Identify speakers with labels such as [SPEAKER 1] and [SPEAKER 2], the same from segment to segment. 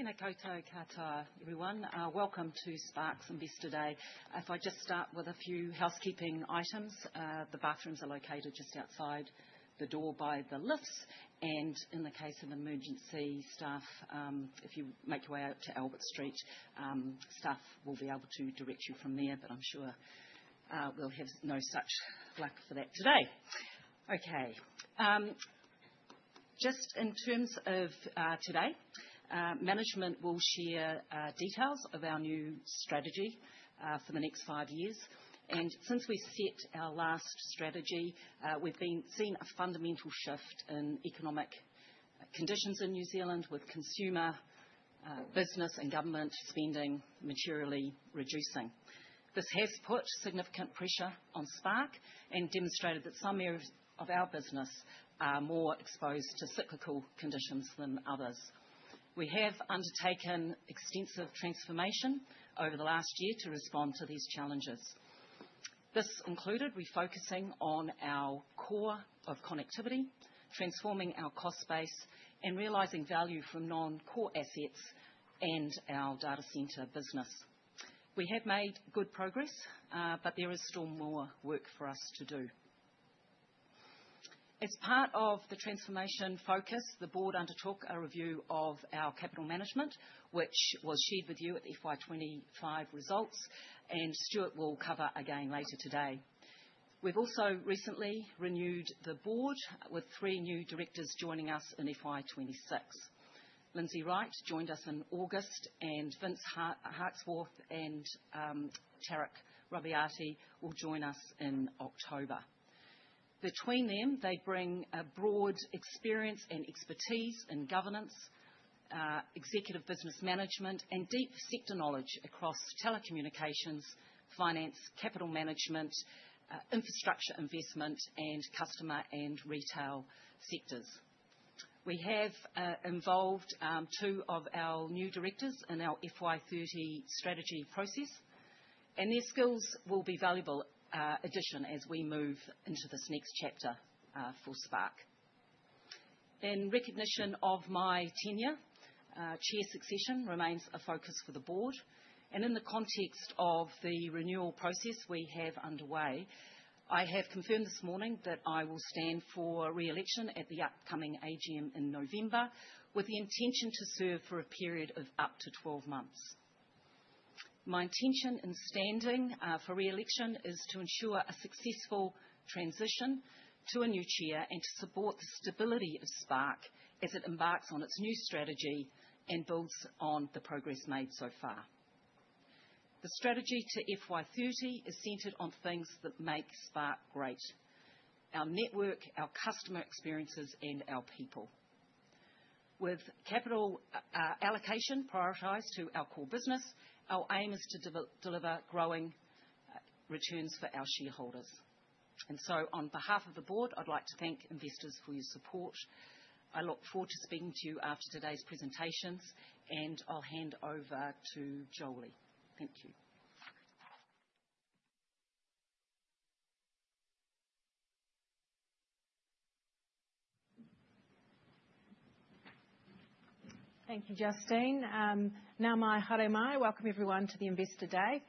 [SPEAKER 1] Tēnā koutou katoa, everyone. Welcome to Sparks and Biz today. If I just start with a few housekeeping items, the bathrooms are located just outside the door by the lifts, and in case of emergency, staff, if you make your way out to Albert Street, staff will be able to direct you from there, but I'm sure we'll have no such luck for that today. Okay, just in terms of today, management will share details of our new strategy for the next five years, and since we set our last strategy, we've seen a fundamental shift in economic conditions in New Zealand, with consumer, business and government spending materially reducing. This has put significant pressure on Spark and demonstrated that some areas of our business are more exposed to cyclical conditions than others. We have undertaken extensive transformation over the last year to respond to these challenges. This included refocusing on our core of connectivity, transforming our cost base, and realizing value from non-core assets and our data centre business. We have made good progress, but there is still more work for us to do. As part of the transformation focus, the board undertook a review of our capital management, which was shared with you at the FY25 results, and Stewart will cover again later today. We've also recently renewed the board with three new directors joining us in FY26. Lindsay Wright joined us in August, and Vince Hawksworth and Tarek Robbiati will join us in October. Between them, they bring a broad experience and expertise in governance, executive business management, and deep sector knowledge across telecommunications, finance, capital management, infrastructure investment, and customer and retail sectors. We have involved two of our new directors in our FY30 strategy process, and their skills will be valuable additions as we move into this next chapter for Spark. In recognition of my tenure, chair succession remains a focus for the board, and in the context of the renewal process we have underway, I have confirmed this morning that I will stand for re-election at the upcoming AGM in November, with the intention to serve for a period of up to 12 months. My intention in standing for re-election is to ensure a successful transition to a new chair and to support the stability of Spark as it embarks on its new strategy and builds on the progress made so far. The strategy to FY30 is centered on things that make Spark great: our network, our customer experiences, and our people. With capital allocation prioritized to our core business, our aim is to deliver growing returns for our shareholders. And so, on behalf of the board, I'd like to thank investors for your support. I look forward to speaking to you after today's presentations, and I'll hand over to Jolie. Thank you.
[SPEAKER 2] Thank you, Justine. Nau mai, haere mai. Welcome everyone to the Investor Day.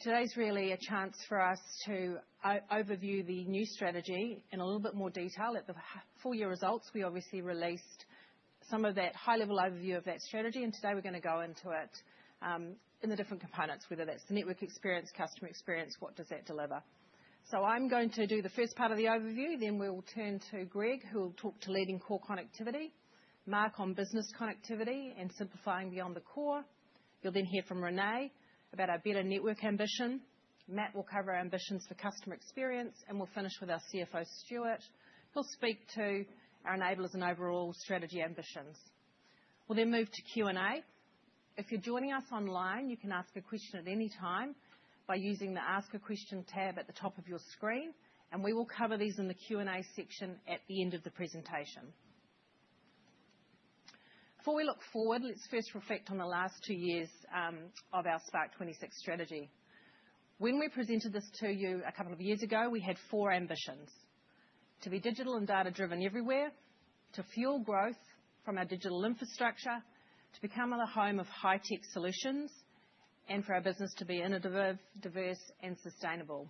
[SPEAKER 2] Today's really a chance for us to overview the new strategy in a little bit more detail. At the full year results, we obviously released some of that high-level overview of that strategy, and today we're going to go into it in the different components, whether that's the network experience, customer experience, what does that deliver. So I'm going to do the first part of the overview, then we'll turn to Greg, who will talk to leading core connectivity, Mark on business connectivity and simplifying beyond the core. You'll then hear from Renee about our better network ambition. Matt will cover our ambitions for customer experience, and we'll finish with our CFO, Stewart. He'll speak to our enablers and overall strategy ambitions. We'll then move to Q&A. If you're joining us online, you can ask a question at any time by using the Ask a Question tab at the top of your screen, and we will cover these in the Q&A section at the end of the presentation. Before we look forward, let's first reflect on the last two years of our Spark 26 strategy. When we presented this to you a couple of years ago, we had four ambitions: to be digital and data-driven everywhere, to fuel growth from our digital infrastructure, to become a home of high-tech solutions, and for our business to be innovative, diverse, and sustainable.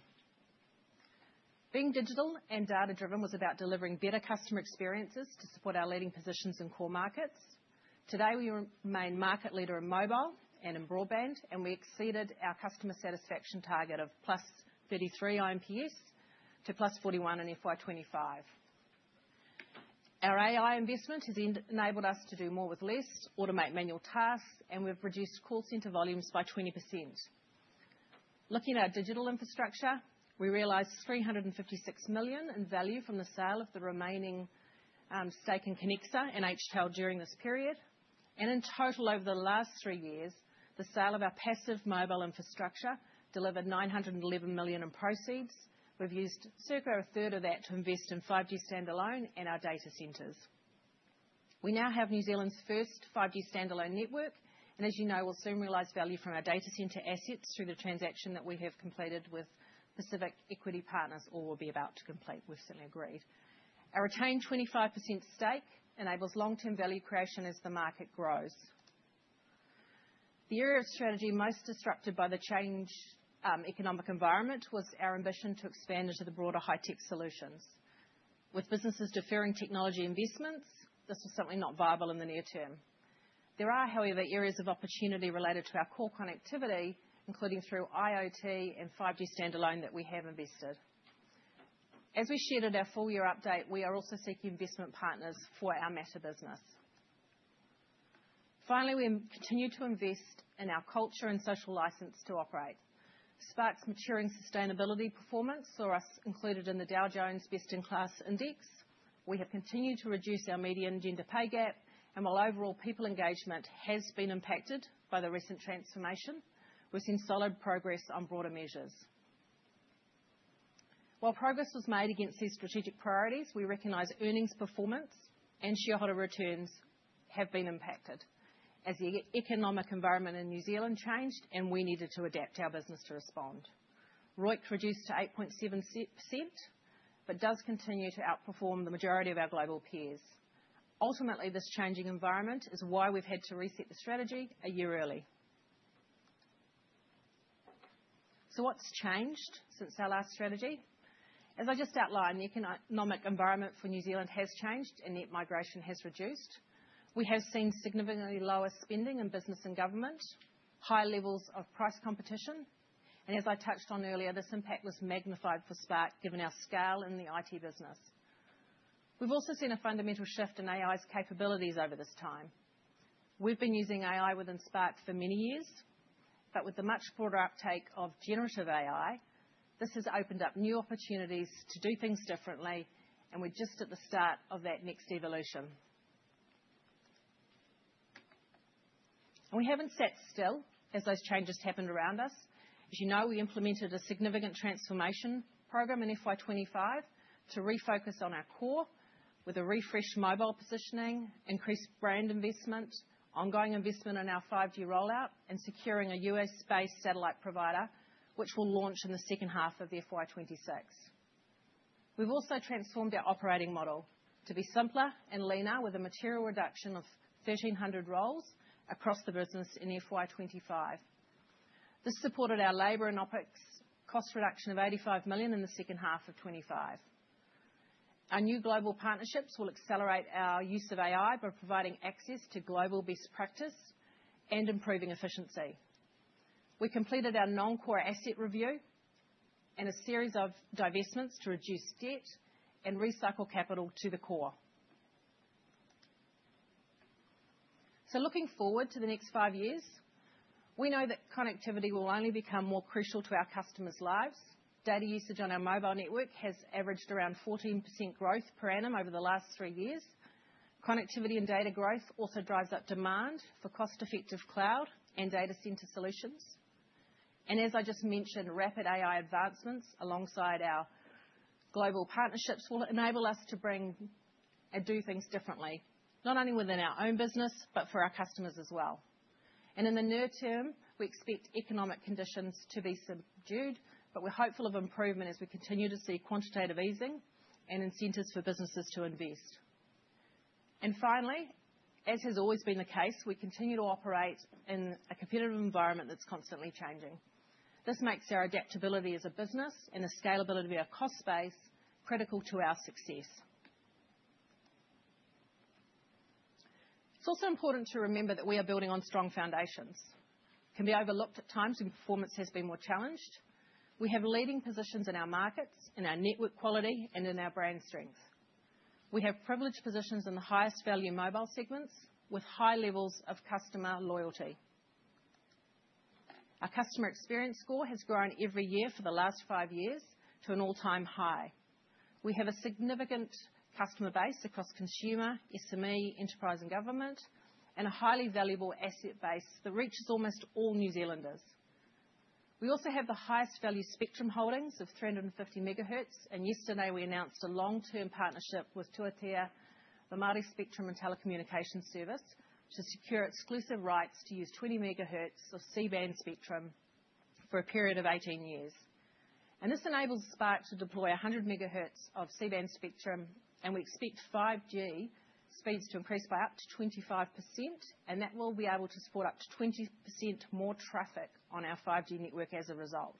[SPEAKER 2] Being digital and data-driven was about delivering better customer experiences to support our leading positions in core markets. Today, we remain market leader in mobile and in broadband, and we exceeded our customer satisfaction target of plus 33 iNPS to plus 41 in FY25. Our AI investment has enabled us to do more with less, automate manual tasks, and we've reduced call center volumes by 20%. Looking at our digital infrastructure, we realized 356 million in value from the sale of the remaining stake in Connexa and Aotearoa during this period, and in total, over the last three years, the sale of our passive mobile infrastructure delivered 911 million in proceeds. We've used circa a third of that to invest in 5G standalone and our data centres. We now have New Zealand's first 5G standalone network, and as you know, we'll soon realize value from our data centre assets through the transaction that we have completed with Pacific Equity Partners, or we'll be about to complete. We've certainly agreed. Our retained 25% stake enables long-term value creation as the market grows. The area of strategy most disrupted by the changed economic environment was our ambition to expand into the broader high-tech solutions. With businesses deferring technology investments, this was certainly not viable in the near term. There are, however, areas of opportunity related to our core connectivity, including through IoT and 5G Standalone that we have invested. As we shared in our full year update, we are also seeking investment partners for our MATTR business. Finally, we continue to invest in our culture and social licence to operate. Spark's maturing sustainability performance saw us included in the Dow Jones Best-in-Class Index. We have continued to reduce our median gender pay gap, and while overall people engagement has been impacted by the recent transformation, we've seen solid progress on broader measures. While progress was made against these strategic priorities, we recognize earnings performance and shareholder returns have been impacted as the economic environment in New Zealand changed, and we needed to adapt our business to respond. ROIC reduced to 8.7% but does continue to outperform the majority of our global peers. Ultimately, this changing environment is why we've had to reset the strategy a year early. So what's changed since our last strategy? As I just outlined, the economic environment for New Zealand has changed, and net migration has reduced. We have seen significantly lower spending in business and government, higher levels of price competition, and as I touched on earlier, this impact was magnified for Spark given our scale in the IT business. We've also seen a fundamental shift in AI's capabilities over this time. We've been using AI within Spark for many years, but with the much broader uptake of generative AI, this has opened up new opportunities to do things differently, and we're just at the start of that next evolution. We haven't sat still as those changes happened around us. As you know, we implemented a significant transformation program in FY25 to refocus on our core, with a refreshed mobile positioning, increased brand investment, ongoing investment in our 5G rollout, and securing a US-based satellite provider, which will launch in the second half of FY25. We've also transformed our operating model to be simpler and leaner, with a material reduction of 1,300 roles across the business in FY25. This supported our labor and OpEx cost reduction of 85 million in the second half of FY25. Our new global partnerships will accelerate our use of AI by providing access to global best practice and improving efficiency. We completed our non-core asset review and a series of divestments to reduce debt and recycle capital to the core, so looking forward to the next five years, we know that connectivity will only become more crucial to our customers' lives. Data usage on our mobile network has averaged around 14% growth per annum over the last three years. Connectivity and data growth also drives up demand for cost-effective cloud and data centre solutions, and as I just mentioned, rapid AI advancements alongside our global partnerships will enable us to bring and do things differently, not only within our own business but for our customers as well. And in the near term, we expect economic conditions to be subdued, but we're hopeful of improvement as we continue to see quantitative easing and incentives for businesses to invest. And finally, as has always been the case, we continue to operate in a competitive environment that's constantly changing. This makes our adaptability as a business and the scalability of our cost base critical to our success. It's also important to remember that we are building on strong foundations. It can be overlooked at times when performance has been more challenged. We have leading positions in our markets, in our network quality, and in our brand strengths. We have privileged positions in the highest value mobile segments with high levels of customer loyalty. Our customer experience score has grown every year for the last five years to an all-time high. We have a significant customer base across consumer, SME, enterprise, and government, and a highly valuable asset base that reaches almost all New Zealanders. We also have the highest value spectrum holdings of 350 megahertz, and yesterday we announced a long-term partnership with Tū Ātea for multi-spectrum and telecommunication service to secure exclusive rights to use 20 megahertz of C-band spectrum for a period of 18 years. This enables Spark to deploy 100 megahertz of C-band spectrum, and we expect 5G speeds to increase by up to 25%, and that will be able to support up to 20% more traffic on our 5G network as a result.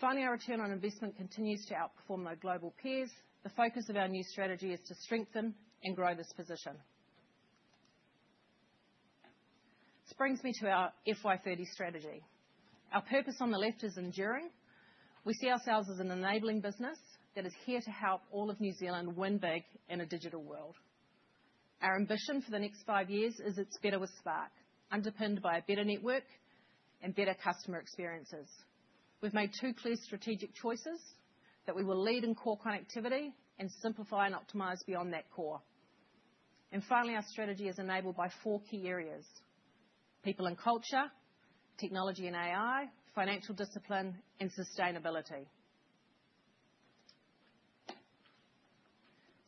[SPEAKER 2] Finally, our return on investment continues to outperform our global peers. The focus of our new strategy is to strengthen and grow this position. This brings me to our FY30 strategy. Our purpose on the left is enduring. We see ourselves as an enabling business that is here to help all of New Zealand win big in a digital world. Our ambition for the next five years is it's better with Spark, underpinned by a better network and better customer experiences. We've made two clear strategic choices that we will lead in core connectivity and simplify and optimize beyond that core. And finally, our strategy is enabled by four key areas: people and culture, technology and AI, financial discipline, and sustainability.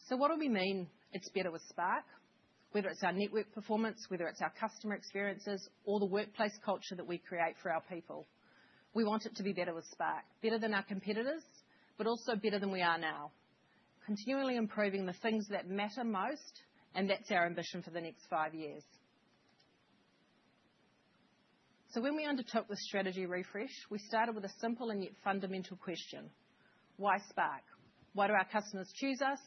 [SPEAKER 2] So what do we mean it's better with Spark? Whether it's our network performance, whether it's our customer experiences, or the workplace culture that we create for our people, we want it to be better with Spark, better than our competitors, but also better than we are now, continually improving the things that matter most, and that's our ambition for the next five years. When we undertook the strategy refresh, we started with a simple and yet fundamental question: why Spark? Why do our customers choose us?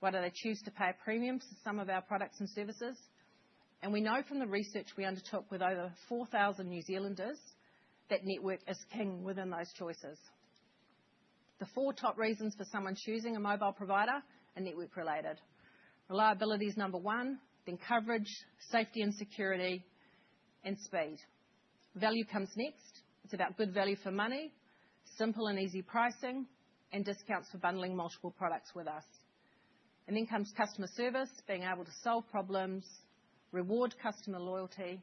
[SPEAKER 2] Why do they choose to pay a premium for some of our products and services? We know from the research we undertook with over 4,000 New Zealanders that network is king within those choices. The four top reasons for someone choosing a mobile provider are network-related. Reliability is number one, then coverage, safety and security, and speed. Value comes next. It's about good value for money, simple and easy pricing, and discounts for bundling multiple products with us. Then comes customer service, being able to solve problems, reward customer loyalty,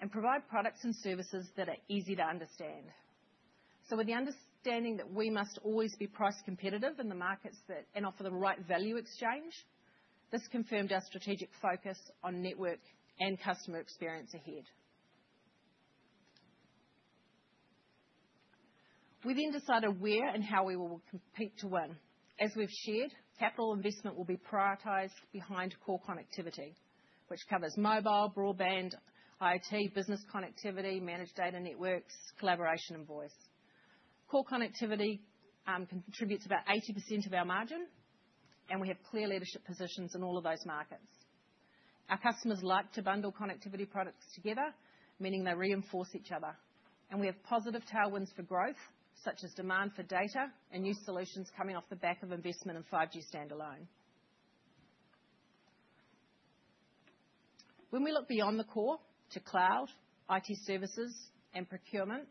[SPEAKER 2] and provide products and services that are easy to understand. So with the understanding that we must always be price competitive in the markets and offer the right value exchange, this confirmed our strategic focus on network and customer experience ahead. We then decided where and how we will compete to win. As we've shared, capital investment will be prioritised behind core connectivity, which covers mobile, broadband, IoT, business connectivity, managed data networks, collaboration, and voice. Core connectivity contributes about 80% of our margin, and we have clear leadership positions in all of those markets. Our customers like to bundle connectivity products together, meaning they reinforce each other. And we have positive tailwinds for growth, such as demand for data and new solutions coming off the back of investment in 5G standalone. When we look beyond the core to cloud, IT services, and procurement,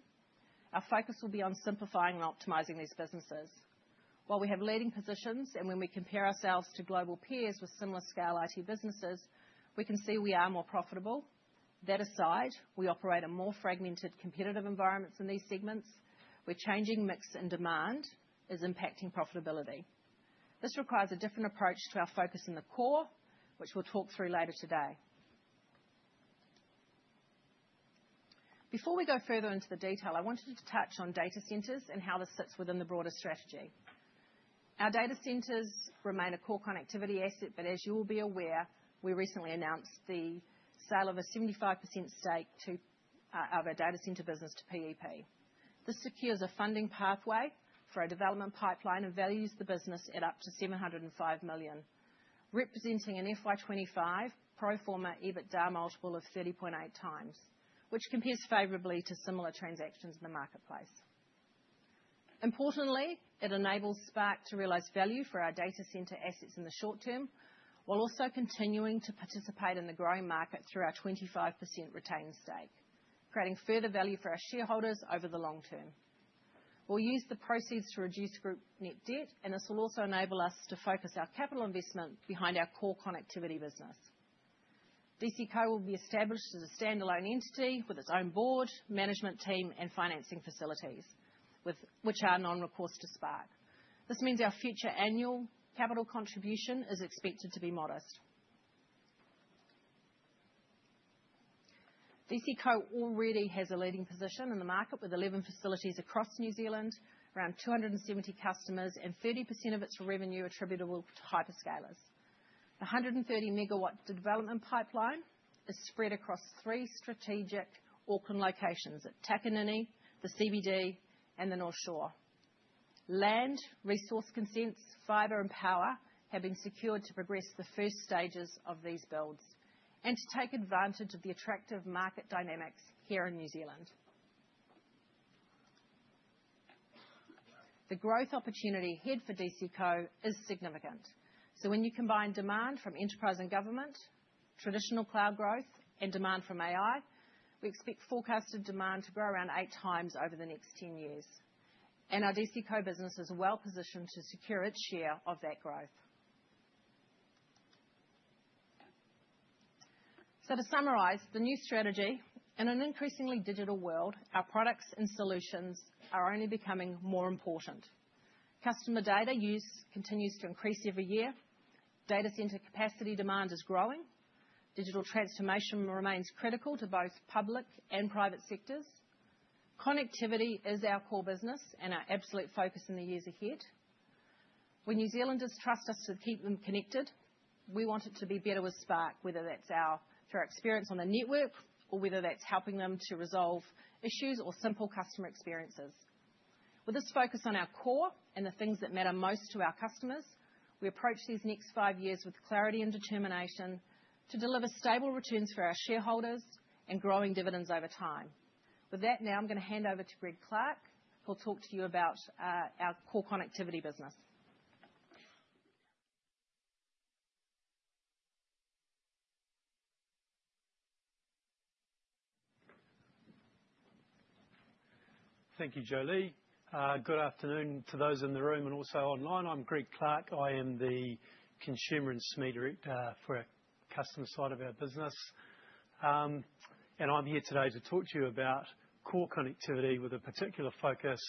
[SPEAKER 2] our focus will be on simplifying and optimising these businesses. While we have leading positions, and when we compare ourselves to global peers with similar scale IT businesses, we can see we are more profitable. That aside, we operate in more fragmented competitive environments in these segments. We're changing mix and demand is impacting profitability. This requires a different approach to our focus in the core, which we'll talk through later today. Before we go further into the detail, I wanted to touch on data centres and how this sits within the broader strategy. Our data centres remain a core connectivity asset, but as you will be aware, we recently announced the sale of a 75% stake of our data centre business to PEP. This secures a funding pathway for our development pipeline and values the business at up to 705 million, representing an FY25 pro forma EBITDA multiple of 30.8 times, which compares favorably to similar transactions in the marketplace. Importantly, it enables Spark to realize value for our data centre assets in the short term while also continuing to participate in the growing market through our 25% retained stake, creating further value for our shareholders over the long term. We'll use the proceeds to reduce group net debt, and this will also enable us to focus our capital investment behind our core connectivity business. DC Co will be established as a standalone entity with its own board, management team, and financing facilities, which are non-recourse to Spark. This means our future annual capital contribution is expected to be modest. DC Co already has a leading position in the market with 11 facilities across New Zealand, around 270 customers, and 30% of its revenue attributable to hyperscalers. The 130-megawatt development pipeline is spread across three strategic Auckland locations at Takanini, the CBD, and the North Shore. Land, resource consents, fibre, and power have been secured to progress the first stages of these builds and to take advantage of the attractive market dynamics here in New Zealand. The growth opportunity ahead for DC Co is significant. So when you combine demand from enterprise and government, traditional cloud growth, and demand from AI, we expect forecasted demand to grow around eight times over the next 10 years. And our DC Co business is well positioned to secure its share of that growth. So to summarise, the new strategy in an increasingly digital world, our products and solutions are only becoming more important. Customer data use continues to increase every year. Data centre capacity demand is growing. Digital transformation remains critical to both public and private sectors. Connectivity is our core business and our absolute focus in the years ahead. When New Zealanders trust us to keep them connected, we want it to be better with Spark, whether that's through our experience on the network or whether that's helping them to resolve issues or simple customer experiences. With this focus on our core and the things that matter most to our customers, we approach these next five years with clarity and determination to deliver stable returns for our shareholders and growing dividends over time. With that, now I'm going to hand over to Greg Clark, who'll talk to you about our core connectivity business.
[SPEAKER 3] Thank you, Jolie. Good afternoon to those in the room and also online. I'm Greg Clark. I am the consumer and SME director for our customer side of our business. And I'm here today to talk to you about core connectivity with a particular focus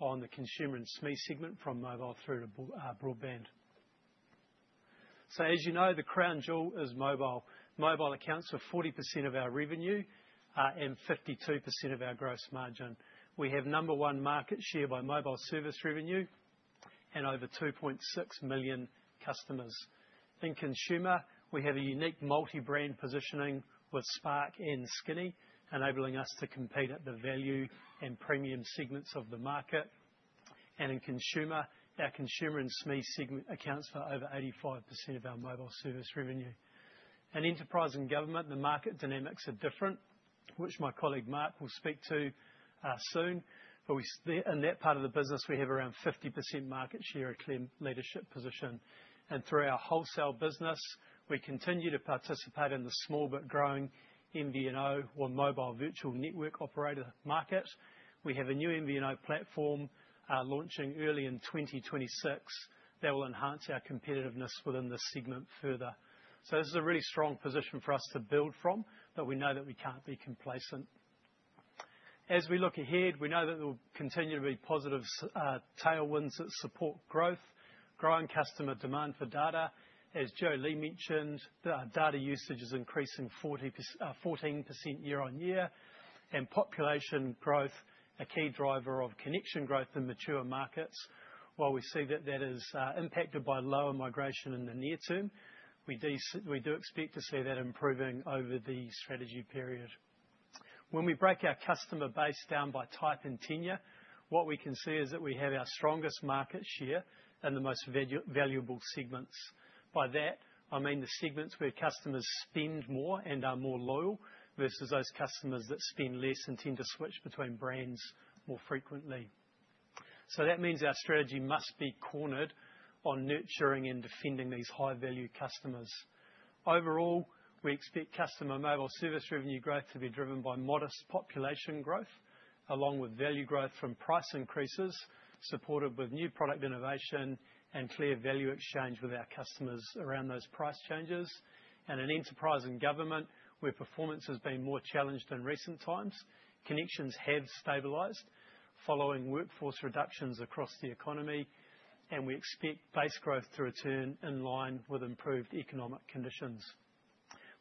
[SPEAKER 3] on the consumer and SME segment from mobile through to broadband. So as you know, the crown jewel is mobile. Mobile accounts for 40% of our revenue and 52% of our gross margin. We have number one market share by mobile service revenue and over 2.6 million customers. In consumer, we have a unique multi-brand positioning with Spark and Skinny, enabling us to compete at the value and premium segments of the market. And in consumer, our consumer and SME segment accounts for over 85% of our mobile service revenue. In enterprise and government, the market dynamics are different, which my colleague Mark will speak to soon. But in that part of the business, we have around 50% market share at leadership position. And through our wholesale business, we continue to participate in the small but growing MVNO or mobile virtual network operator market. We have a new MVNO platform launching early in 2026 that will enhance our competitiveness within this segment further. So this is a really strong position for us to build from, but we know that we can't be complacent. As we look ahead, we know that there will continue to be positive tailwinds that support growth, growing customer demand for data. As Jolie mentioned, data usage is increasing 14% year-on-year, and population growth, a key driver of connection growth in mature markets. While we see that that is impacted by lower migration in the near term, we do expect to see that improving over the strategy period. When we break our customer base down by type and tenure, what we can see is that we have our strongest market share in the most valuable segments. By that, I mean the segments where customers spend more and are more loyal versus those customers that spend less and tend to switch between brands more frequently, so that means our strategy must be cornered on nurturing and defending these high-value customers. Overall, we expect customer mobile service revenue growth to be driven by modest population growth, along with value growth from price increases supported with new product innovation and clear value exchange with our customers around those price changes, and in enterprise and government, where performance has been more challenged in recent times, connections have stabilised following workforce reductions across the economy, and we expect base growth to return in line with improved economic conditions.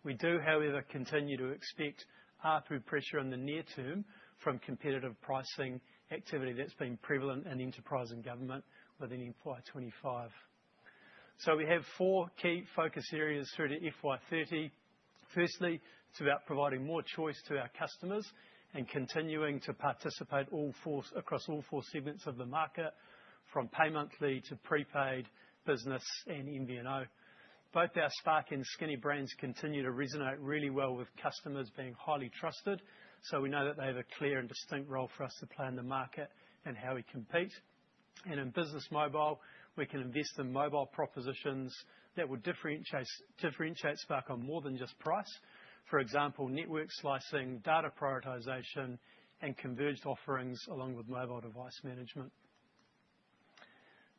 [SPEAKER 3] We do, however, continue to expect ARPU pressure in the near term from competitive pricing activity that's been prevalent in enterprise and government within FY25. So we have four key focus areas through to FY30. Firstly, it's about providing more choice to our customers and continuing to participate across all four segments of the market, from pay monthly to prepaid business and MVNO. Both our Spark and Skinny brands continue to resonate really well with customers being highly trusted, so we know that they have a clear and distinct role for us to play in the market and how we compete. And in business mobile, we can invest in mobile propositions that will differentiate Spark on more than just price, for example, network slicing, data prioritization, and converged offerings along with mobile device management.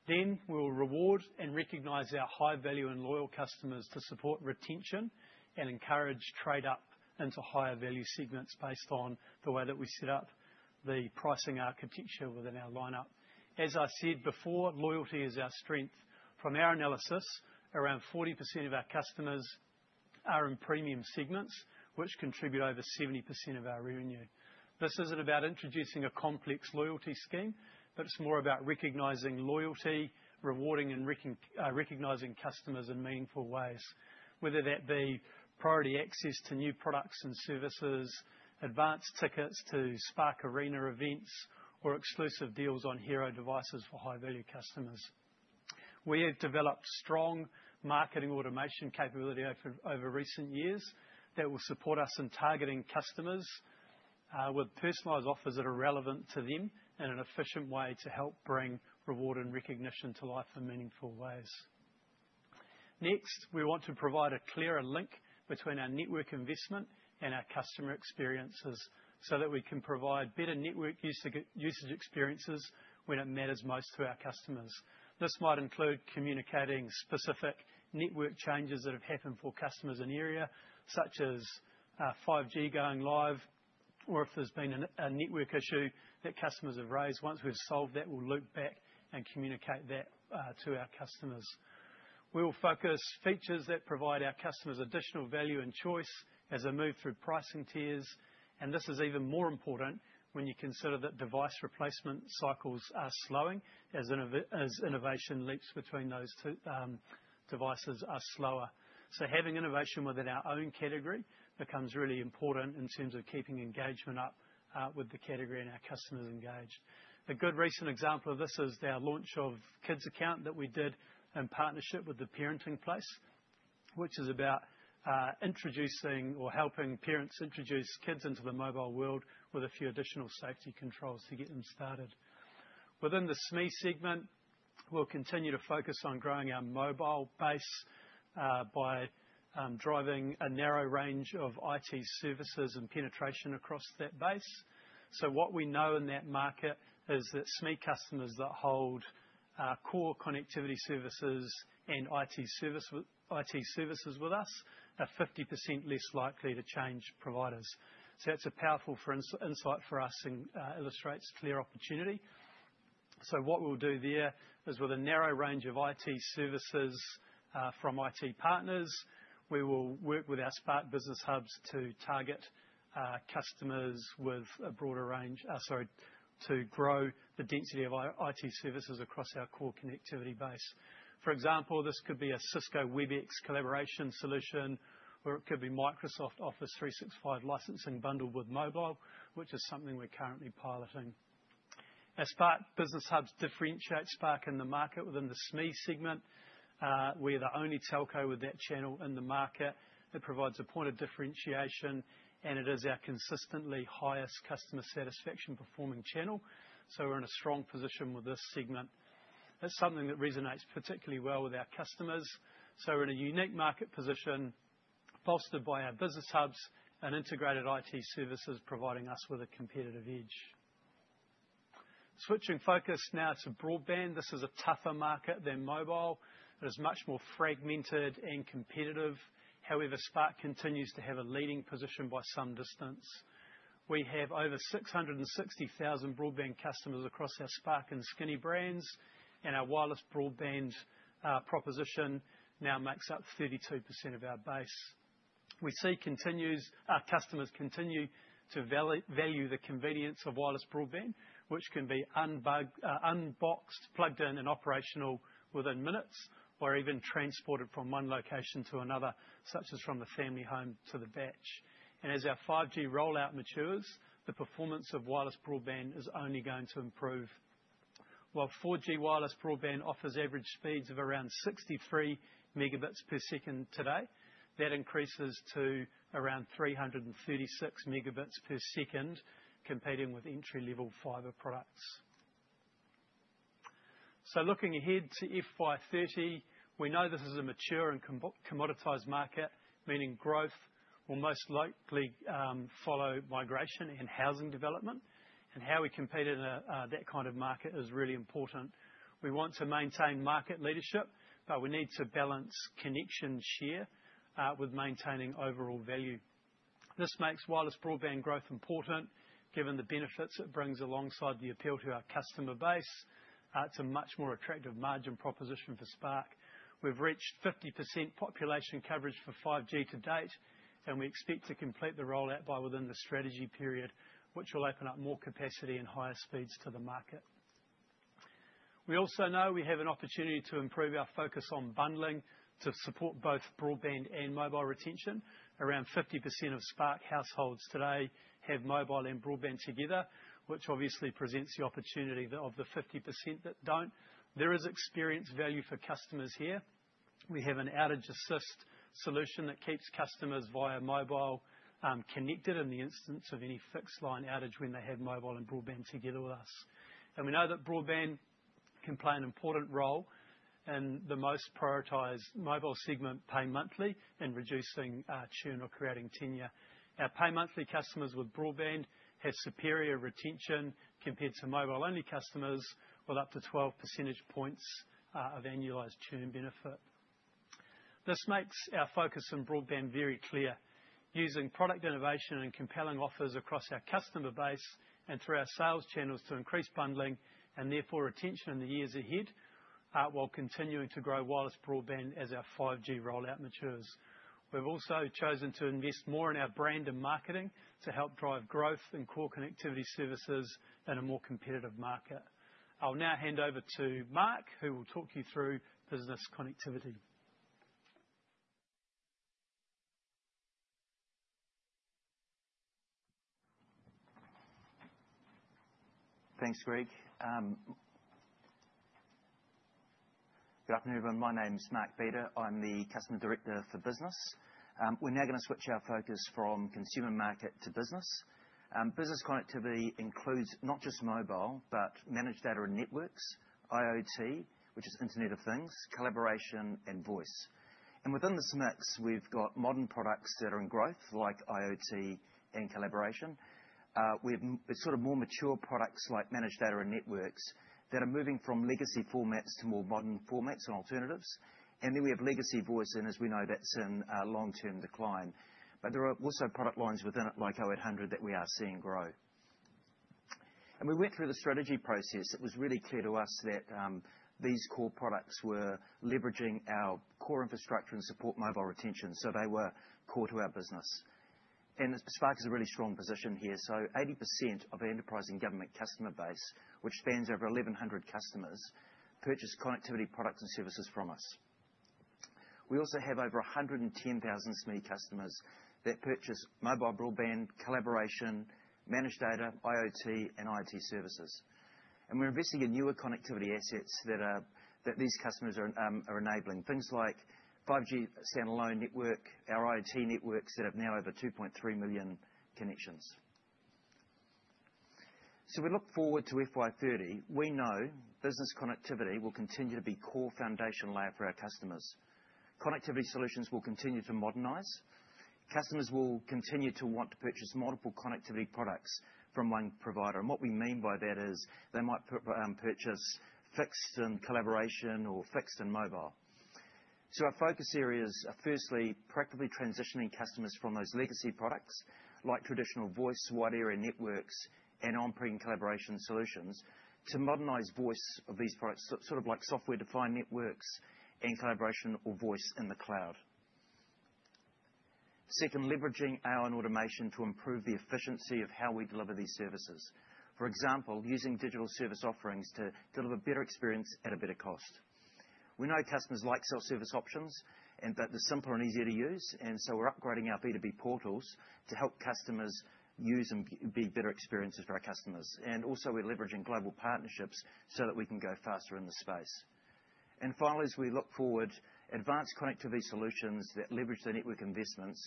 [SPEAKER 3] Then we'll reward and recognize our high-value and loyal customers to support retention and encourage trade-up into higher value segments based on the way that we set up the pricing architecture within our lineup. As I said before, loyalty is our strength. From our analysis, around 40% of our customers are in premium segments, which contribute over 70% of our revenue. This isn't about introducing a complex loyalty scheme, but it's more about recognizing loyalty, rewarding, and recognizing customers in meaningful ways, whether that be priority access to new products and services, advanced tickets to Spark Arena events, or exclusive deals on Hero devices for high-value customers. We have developed strong marketing automation capability over recent years that will support us in targeting customers with personalized offers that are relevant to them in an efficient way to help bring reward and recognition to life in meaningful ways. Next, we want to provide a clearer link between our network investment and our customer experiences so that we can provide better network usage experiences when it matters most to our customers. This might include communicating specific network changes that have happened for customers in the area, such as 5G going live, or if there's been a network issue that customers have raised. Once we've solved that, we'll loop back and communicate that to our customers. We will focus on features that provide our customers additional value and choice as they move through pricing tiers. And this is even more important when you consider that device replacement cycles are slowing as innovation leaps between those devices are slower. So having innovation within our own category becomes really important in terms of keeping engagement up with the category and our customers engaged. A good recent example of this is our launch of Kids Account that we did in partnership with the Parenting Place, which is about introducing or helping parents introduce kids into the mobile world with a few additional safety controls to get them started. Within the SME segment, we'll continue to focus on growing our mobile base by driving a narrow range of IT services and penetration across that base. So what we know in that market is that SME customers that hold core connectivity services and IT services with us are 50% less likely to change providers. So that's a powerful insight for us and illustrates clear opportunity. So what we'll do there is, with a narrow range of IT services from IT partners, we will work with our Spark Business Hubs to target customers with a broader range, sorry, to grow the density of our IT services across our core connectivity base. For example, this could be a Cisco Webex collaboration solution, or it could be Microsoft Office 365 licensing bundled with mobile, which is something we're currently piloting. Our Spark Business Hubs differentiate Spark in the market within the SME segment. We're the only telco with that channel in the market. It provides a point of differentiation, and it is our consistently highest customer satisfaction performing channel. So we're in a strong position with this segment. It's something that resonates particularly well with our customers. We're in a unique market position bolstered by our business hubs and integrated IT services providing us with a competitive edge. Switching focus now to broadband. This is a tougher market than mobile. It is much more fragmented and competitive. However, Spark continues to have a leading position by some distance. We have over 660,000 broadband customers across our Spark and Skinny brands, and our wireless broadband proposition now makes up 32% of our base. We see customers continue to value the convenience of wireless broadband, which can be unboxed, plugged in, and operational within minutes, or even transported from one location to another, such as from the family home to the bach. As our 5G rollout matures, the performance of wireless broadband is only going to improve. While 4G wireless broadband offers average speeds of around 63 megabits per second today, that increases to around 336 megabits per second, competing with entry-level fibre products, so looking ahead to FY30, we know this is a mature and commoditized market, meaning growth will most likely follow migration and housing development, and how we compete in that kind of market is really important. We want to maintain market leadership, but we need to balance connection share with maintaining overall value. This makes wireless broadband growth important, given the benefits it brings alongside the appeal to our customer base. It's a much more attractive margin proposition for Spark. We've reached 50% population coverage for 5G to date, and we expect to complete the rollout by within the strategy period, which will open up more capacity and higher speeds to the market. We also know we have an opportunity to improve our focus on bundling to support both broadband and mobile retention. Around 50% of Spark households today have mobile and broadband together, which obviously presents the opportunity of the 50% that don't. There is experienced value for customers here. We have an Outage Assist solution that keeps customers via mobile connected in the instance of any fixed line outage when they have mobile and broadband together with us. And we know that broadband can play an important role in the most prioritized mobile segment pay monthly and reducing churn or creating tenure. Our pay monthly customers with broadband have superior retention compared to mobile-only customers with up to 12 percentage points of annualized churn benefit. This makes our focus on broadband very clear, using product innovation and compelling offers across our customer base and through our sales channels to increase bundling and therefore retention in the years ahead while continuing to grow wireless broadband as our 5G rollout matures. We've also chosen to invest more in our brand and marketing to help drive growth in core connectivity services in a more competitive market. I'll now hand over to Mark, who will talk you through business connectivity.
[SPEAKER 4] Thanks, Greg. Good afternoon, everyone. My name's Mark Beder. I'm the Customer Director for Business. We're now going to switch our focus from consumer market to business. Business connectivity includes not just mobile, but managed data and networks, IoT, which is Internet of Things, collaboration, and voice, and within this mix, we've got modern products that are in growth like IoT and collaboration. We have sort of more mature products like managed data and networks that are moving from legacy formats to more modern formats and alternatives. And then we have legacy voice, and as we know, that's in long-term decline. But there are also product lines within it like 0800 that we are seeing grow. And we went through the strategy process. It was really clear to us that these core products were leveraging our core infrastructure and support mobile retention, so they were core to our business. And Spark is in a really strong position here. So 80% of our enterprise and government customer base, which spans over 1,100 customers, purchase connectivity products and services from us. We also have over 110,000 SME customers that purchase mobile broadband, collaboration, managed data, IoT, and IoT services. And we're investing in newer connectivity assets that these customers are enabling, things like 5G standalone network, our IoT networks that have now over 2.3 million connections. So we look forward to FY30. We know business connectivity will continue to be a core foundational layer for our customers. Connectivity solutions will continue to modernize. Customers will continue to want to purchase multiple connectivity products from one provider. And what we mean by that is they might purchase fixed and collaboration or fixed and mobile. So our focus areas are firstly, practically transitioning customers from those legacy products like traditional voice, wide area networks, and on-prem collaboration solutions to modernize voice of these products, sort of like software-defined networks and collaboration or voice in the cloud. Second, leveraging AI and automation to improve the efficiency of how we deliver these services. For example, using digital service offerings to deliver a better experience at a better cost. We know customers like self-service options and that they're simpler and easier to use, and so we're upgrading our B2B portals to help customers use and be better experiences for our customers. And also, we're leveraging global partnerships so that we can go faster in the space. And finally, as we look forward, advanced connectivity solutions that leverage the network investments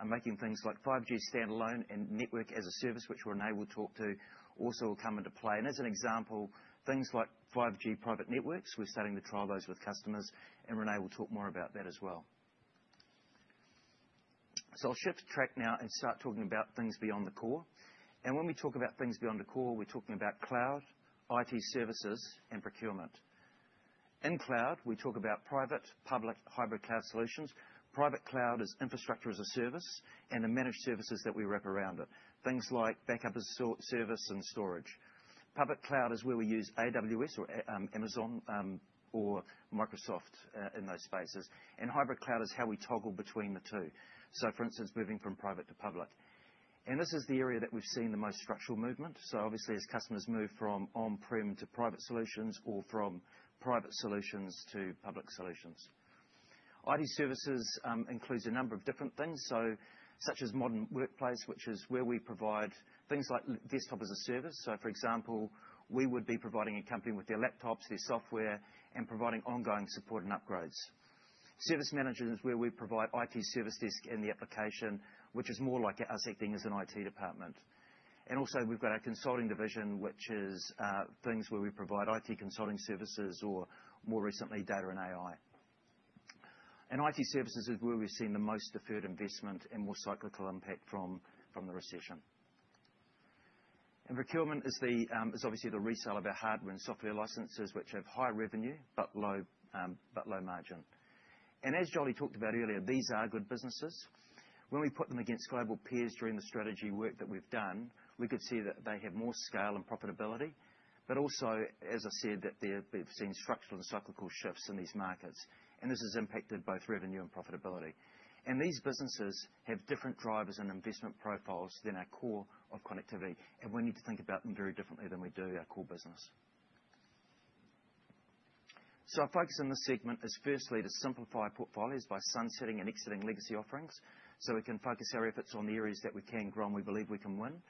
[SPEAKER 4] are making things like 5G standalone and network as a service, which we're now able to talk to, also will come into play. And as an example, things like 5G private networks, we're starting to try those with customers, and we're now able to talk more about that as well. So I'll shift track now and start talking about things beyond the core. When we talk about things beyond the core, we're talking about cloud, IT services, and procurement. In cloud, we talk about private, public, hybrid cloud solutions. Private cloud is infrastructure as a service and the managed services that we wrap around it, things like backup as a service and storage. Public cloud is where we use AWS or Amazon or Microsoft in those spaces. Hybrid cloud is how we toggle between the two, so for instance, moving from private to public. This is the area that we've seen the most structural movement. Obviously, as customers move from on-prem to private solutions or from private solutions to public solutions. IT services includes a number of different things, such as modern workplace, which is where we provide things like desktop as a service. For example, we would be providing a company with their laptops, their software, and providing ongoing support and upgrades. Service management is where we provide IT service desk and the application, which is more like our thing as an IT department. We also have our consulting division, which is things where we provide IT consulting services or, more recently, data and AI. IT services is where we've seen the most deferred investment and more cyclical impact from the recession. Procurement is obviously the resale of our hardware and software licenses, which have high revenue but low margin. As Jolie talked about earlier, these are good businesses. When we put them against global peers during the strategy work that we've done, we could see that they have more scale and profitability, but also, as I said, that they've seen structural and cyclical shifts in these markets. This has impacted both revenue and profitability. These businesses have different drivers and investment profiles than our core of connectivity, and we need to think about them very differently than we do our core business. Our focus in this segment is firstly to simplify portfolios by sunsetting and exiting legacy offerings so we can focus our efforts on the areas that we can grow and we believe we can win.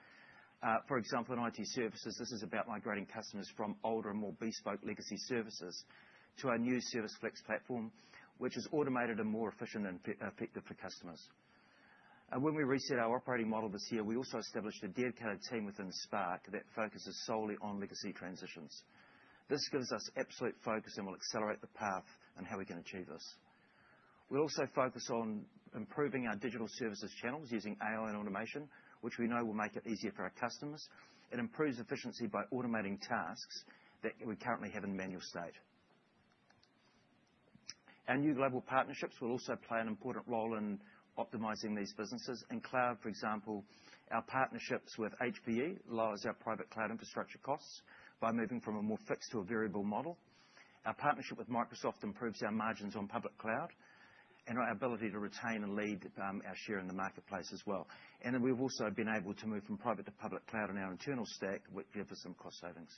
[SPEAKER 4] For example, in IT services, this is about migrating customers from older and more bespoke legacy services to our new ServiceFlex platform, which is automated and more efficient and effective for customers. When we reset our operating model this year, we also established a dedicated team within Spark that focuses solely on legacy transitions. This gives us absolute focus and will accelerate the path and how we can achieve this. We also focus on improving our digital services channels using AI and automation, which we know will make it easier for our customers. It improves efficiency by automating tasks that we currently have in manual state. Our new global partnerships will also play an important role in optimizing these businesses. In cloud, for example, our partnerships with HPE lowers our private cloud infrastructure costs by moving from a more fixed to a variable model. Our partnership with Microsoft improves our margins on public cloud and our ability to retain and lead our share in the marketplace as well. And then we've also been able to move from private to public cloud on our internal stack, which gives us some cost savings.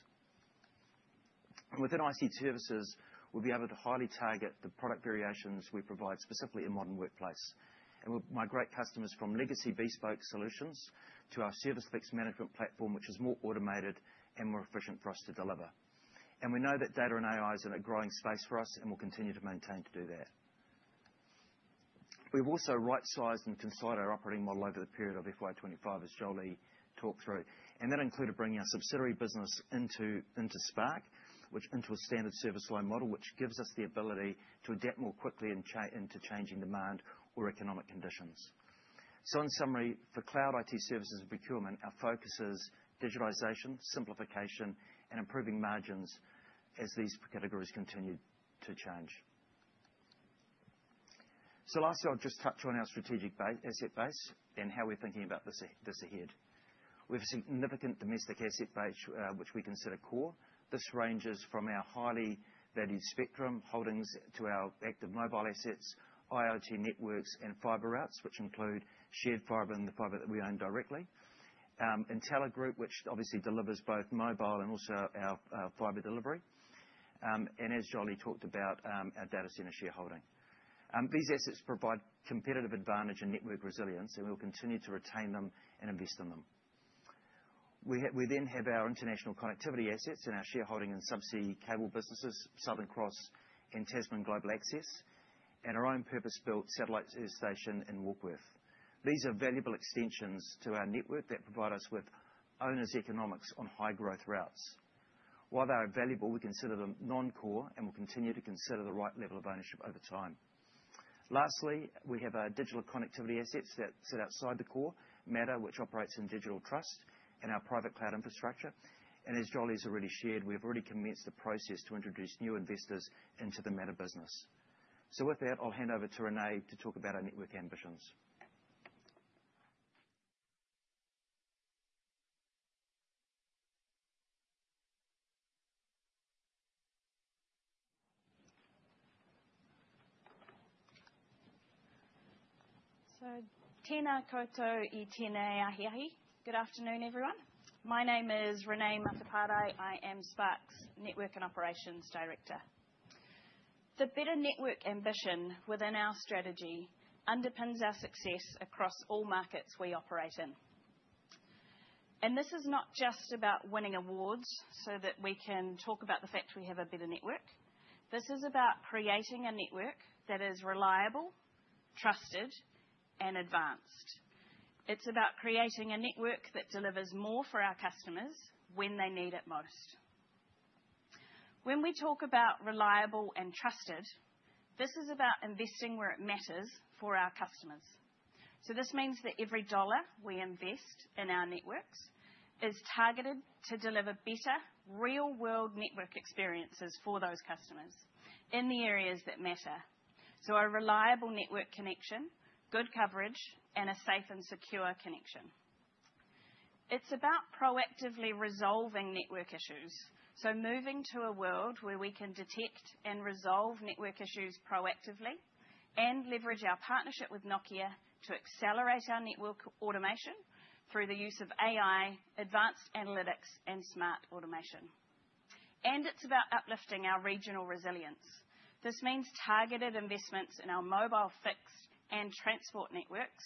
[SPEAKER 4] Within IT services, we'll be able to highly target the product variations we provide specifically in modern workplace. We'll migrate customers from legacy bespoke solutions to our ServiceFlex management platform, which is more automated and more efficient for us to deliver. We know that data and AI is in a growing space for us and will continue to maintain to do that. We've also right-sized and consolidated our operating model over the period of FY25, as Jolie talked through. That included bringing our subsidiary business into Spark, which is into a standard service loan model, which gives us the ability to adapt more quickly into changing demand or economic conditions. In summary, for cloud IT services and procurement, our focus is digitization, simplification, and improving margins as these categories continue to change. Lastly, I'll just touch on our strategic asset base and how we're thinking about this ahead. We have a significant domestic asset base, which we consider core. This ranges from our highly valued spectrum holdings to our active mobile assets, IoT networks, and fibre routes, which include shared fibre and the fibre that we own directly, Entelar Group, which obviously delivers both mobile and also our fibre delivery, and as Jolie talked about, our data centre shareholding. These assets provide competitive advantage and network resilience, and we will continue to retain them and invest in them. We then have our international connectivity assets and our shareholding and subsea cable businesses, Southern Cross and Tasman Global Access, and our own purpose-built satellite station in Warkworth. These are valuable extensions to our network that provide us with owner's economics on high-growth routes. While they are valuable, we consider them non-core and will continue to consider the right level of ownership over time. Lastly, we have our digital connectivity assets that sit outside the core, MATTR, which operates in Digital Trust and our private cloud infrastructure. And as Jolie has already shared, we have already commenced the process to introduce new investors into the MATTR business. So with that, I'll hand over to Renee to talk about our network ambitions. So tēnā koutou,
[SPEAKER 5] tēnā koutou, tēnā koutou, haere mai, good afternoon, everyone. My name is Renee Mateparae. I am Spark's Network and Operations Director. The better network ambition within our strategy underpins our success across all markets we operate in. And this is not just about winning awards so that we can talk about the fact we have a better network. This is about creating a network that is reliable, trusted, and advanced. It's about creating a network that delivers more for our customers when they need it most. When we talk about reliable and trusted, this is about investing where it matters for our customers. So this means that every dollar we invest in our networks is targeted to deliver better real-world network experiences for those customers in the areas that matter. So a reliable network connection, good coverage, and a safe and secure connection. It's about proactively resolving network issues. So moving to a world where we can detect and resolve network issues proactively and leverage our partnership with Nokia to accelerate our network automation through the use of AI, advanced analytics, and smart automation. And it's about uplifting our regional resilience. This means targeted investments in our mobile, fixed, and transport networks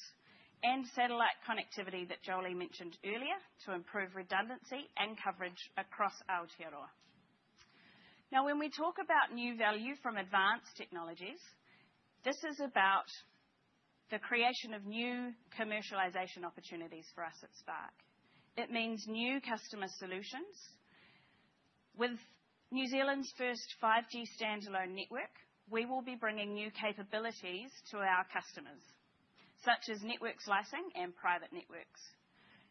[SPEAKER 5] and satellite connectivity that Jolie mentioned earlier to improve redundancy and coverage across Aotearoa. Now, when we talk about new value from advanced technologies, this is about the creation of new commercialization opportunities for us at Spark. It means new customer solutions. With New Zealand's first 5G standalone network, we will be bringing new capabilities to our customers, such as network slicing and private networks.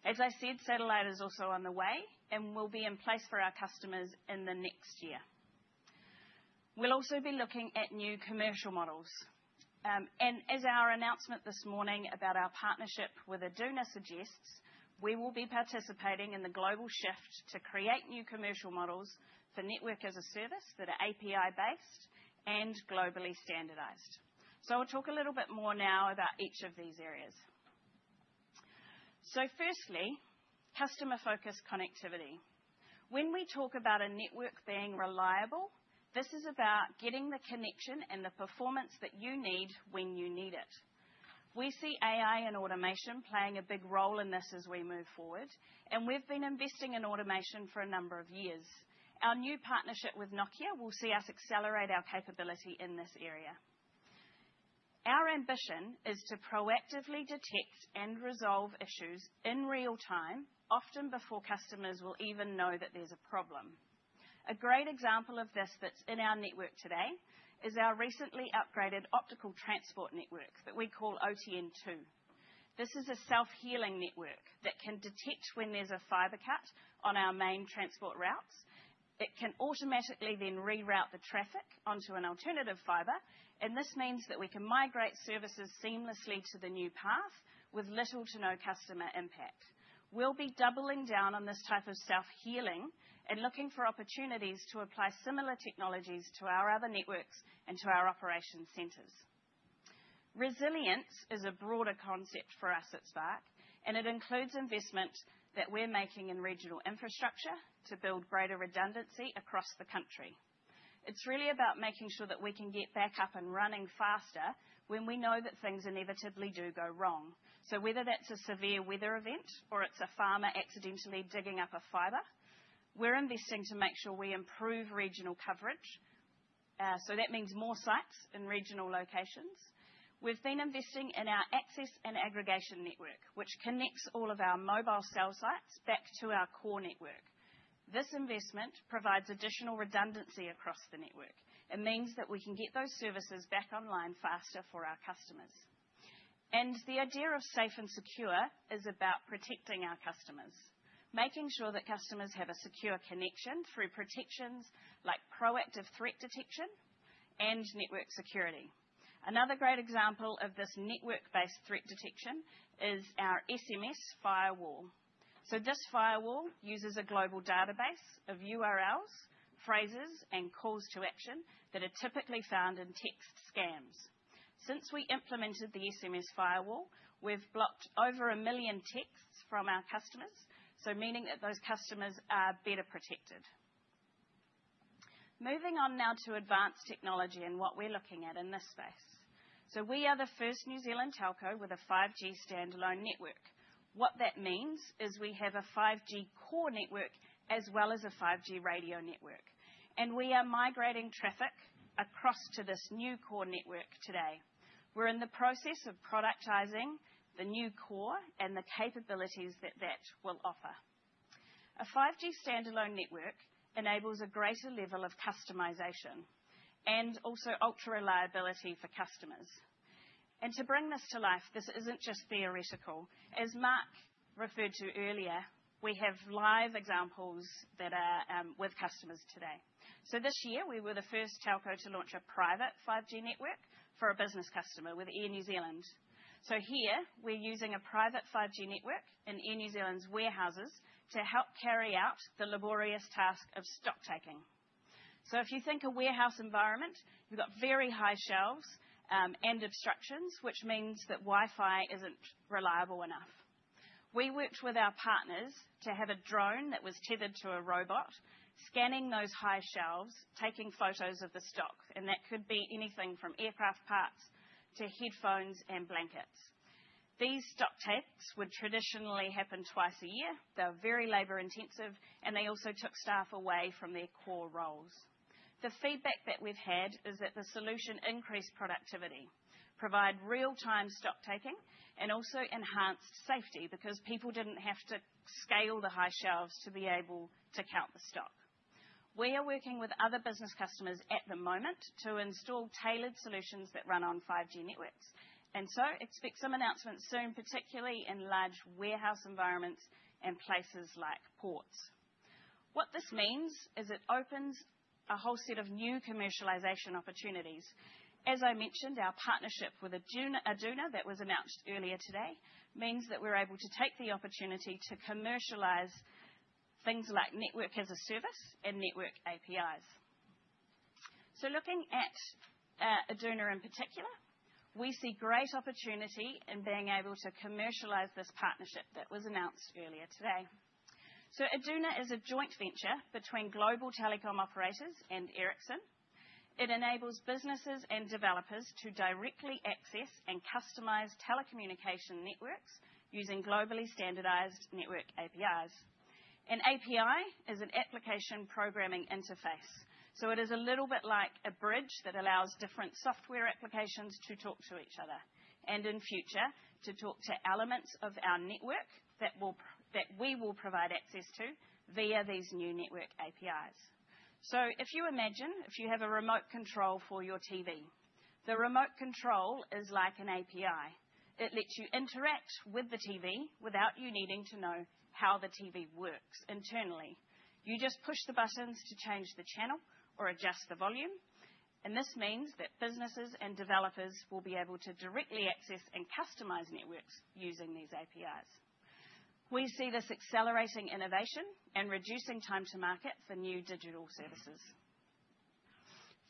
[SPEAKER 5] As I said, satellite is also on the way and will be in place for our customers in the next year. We'll also be looking at new commercial models, and as our announcement this morning about our partnership with Ericsson suggests, we will be participating in the global shift to create new commercial models for network as a service that are API-based and globally standardized, so I'll talk a little bit more now about each of these areas, so firstly, customer-focused connectivity. When we talk about a network being reliable, this is about getting the connection and the performance that you need when you need it. We see AI and automation playing a big role in this as we move forward, and we've been investing in automation for a number of years. Our new partnership with Nokia will see us accelerate our capability in this area. Our ambition is to proactively detect and resolve issues in real time, often before customers will even know that there's a problem. A great example of this that's in our network today is our recently upgraded optical transport network that we call OTN 2. This is a self-healing network that can detect when there's a fibre cut on our main transport routes. It can automatically then reroute the traffic onto an alternative fibre, and this means that we can migrate services seamlessly to the new path with little to no customer impact. We'll be doubling down on this type of self-healing and looking for opportunities to apply similar technologies to our other networks and to our operations centers. Resilience is a broader concept for us at Spark, and it includes investment that we're making in regional infrastructure to build greater redundancy across the country. It's really about making sure that we can get back up and running faster when we know that things inevitably do go wrong. So whether that's a severe weather event or it's a farmer accidentally digging up a fibre, we're investing to make sure we improve regional coverage. So that means more sites in regional locations. We've been investing in our access and aggregation network, which connects all of our mobile cell sites back to our core network. This investment provides additional redundancy across the network. It means that we can get those services back online faster for our customers. And the idea of safe and secure is about protecting our customers, making sure that customers have a secure connection through protections like proactive threat detection and network security. Another great example of this network-based threat detection is our SMS Firewall. So this firewall uses a global database of URLs, phrases, and calls to action that are typically found in text scams. Since we implemented the SMS Firewall, we've blocked over a million texts from our customers, so meaning that those customers are better protected. Moving on now to advanced technology and what we're looking at in this space. So we are the first New Zealand telco with a 5G standalone network. What that means is we have a 5G core network as well as a 5G radio network. And we are migrating traffic across to this new core network today. We're in the process of productizing the new core and the capabilities that that will offer. A 5G standalone network enables a greater level of customization and also ultra-reliability for customers. And to bring this to life, this isn't just theoretical. As Mark referred to earlier, we have live examples that are with customers today. So this year, we were the first telco to launch a private 5G network for a business customer with Air New Zealand. So here, we're using a private 5G network in Air New Zealand's warehouses to help carry out the laborious task of stocktaking. If you think of a warehouse environment, you've got very high shelves and obstructions, which means that Wi-Fi isn't reliable enough. We worked with our partners to have a drone that was tethered to a robot scanning those high shelves, taking photos of the stock. That could be anything from aircraft parts to headphones and blankets. These stocktakes would traditionally happen twice a year. They're very labor-intensive, and they also took staff away from their core roles. The feedback that we've had is that the solution increased productivity, provided real-time stocktaking, and also enhanced safety because people didn't have to scale the high shelves to be able to count the stock. We are working with other business customers at the moment to install tailored solutions that run on 5G networks. Expect some announcements soon, particularly in large warehouse environments and places like ports. What this means is it opens a whole set of new commercialization opportunities. As I mentioned, our partnership with Aduna that was announced earlier today means that we're able to take the opportunity to commercialize things like network as a service and network APIs. So looking at Aduna in particular, we see great opportunity in being able to commercialize this partnership that was announced earlier today. So Aduna is a joint venture between global telecom operators and Ericsson. It enables businesses and developers to directly access and customize telecommunication networks using globally standardized network APIs. An API is an application programming interface. So it is a little bit like a bridge that allows different software applications to talk to each other and in future to talk to elements of our network that we will provide access to via these new network APIs. So if you imagine, if you have a remote control for your TV, the remote control is like an API. It lets you interact with the TV without you needing to know how the TV works internally. You just push the buttons to change the channel or adjust the volume. And this means that businesses and developers will be able to directly access and customize networks using these APIs. We see this accelerating innovation and reducing time to market for new digital services.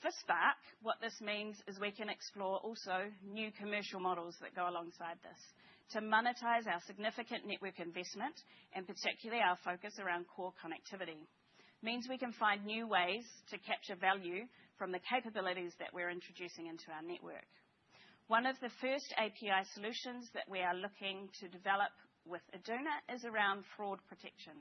[SPEAKER 5] For Spark, what this means is we can explore also new commercial models that go alongside this to monetize our significant network investment and particularly our focus around core connectivity. It means we can find new ways to capture value from the capabilities that we're introducing into our network. One of the first API solutions that we are looking to develop with Aduna is around fraud protection.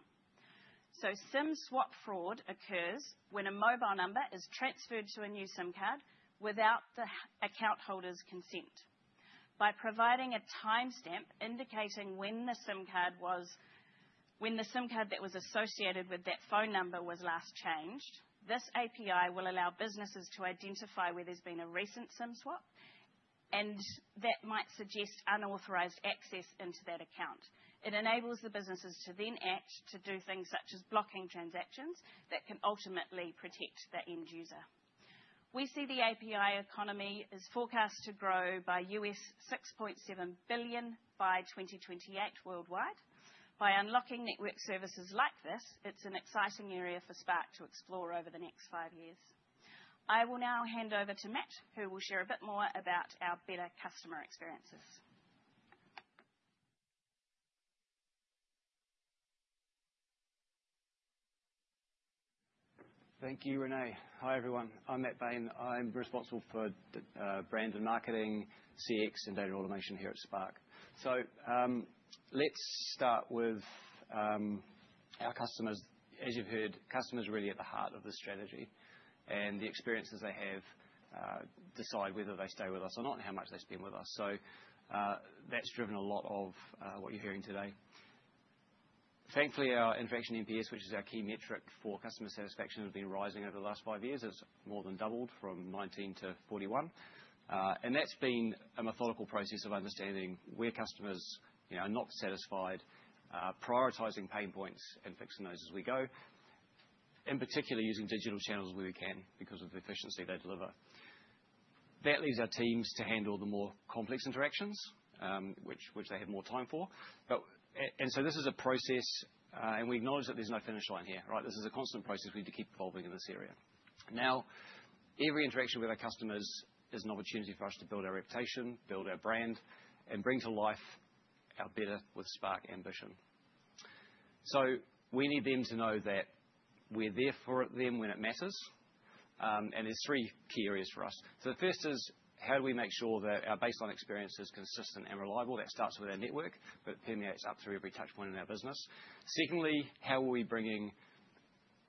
[SPEAKER 5] So SIM swap fraud occurs when a mobile number is transferred to a new SIM card without the account holder's consent. By providing a timestamp indicating when the SIM card that was associated with that phone number was last changed, this API will allow businesses to identify where there's been a recent SIM swap, and that might suggest unauthorized access into that account. It enables the businesses to then act to do things such as blocking transactions that can ultimately protect that end user. We see the API economy is forecast to grow by $6.7 billion by 2028 worldwide. By unlocking network services like this, it's an exciting area for Spark to explore over the next five years. I will now hand over to Matt, who will share a bit more about our better customer experiences.
[SPEAKER 6] Thank you, Renee. Hi, everyone. I'm Matt Bain. I'm responsible for brand and marketing, CX, and data automation here at Spark. So let's start with our customers. As you've heard, customers are really at the heart of the strategy, and the experiences they have decide whether they stay with us or not and how much they spend with us. So that's driven a lot of what you're hearing today. Thankfully, our interaction NPS, which is our key metric for customer satisfaction, has been rising over the last five years. It's more than doubled from 19 to 41. And that's been a methodical process of understanding where customers are not satisfied, prioritizing pain points and fixing those as we go, in particular using digital channels where we can because of the efficiency they deliver. That leaves our teams to handle the more complex interactions, which they have more time for. And so this is a process, and we acknowledge that there's no finish line here. This is a constant process we need to keep evolving in this area. Now, every interaction with our customers is an opportunity for us to build our reputation, build our brand, and bring to life our better with Spark ambition. So we need them to know that we're there for them when it matters. And there's three key areas for us. So the first is how do we make sure that our baseline experience is consistent and reliable? That starts with our network, but it permeates up through every touchpoint in our business. Secondly, how are we bringing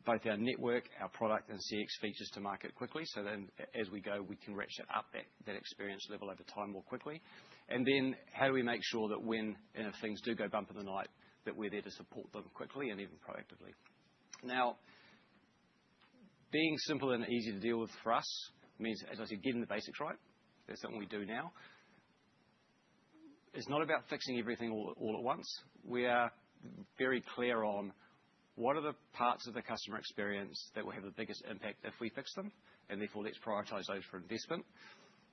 [SPEAKER 6] both our network, our product, and CX features to market quickly? So then as we go, we can ratchet up that experience level over time more quickly. And then how do we make sure that when things do go bump in the night, that we're there to support them quickly and even proactively? Now, being simple and easy to deal with for us means, as I said, getting the basics right. That's something we do now. It's not about fixing everything all at once. We are very clear on what are the parts of the customer experience that will have the biggest impact if we fix them, and therefore let's prioritize those for investment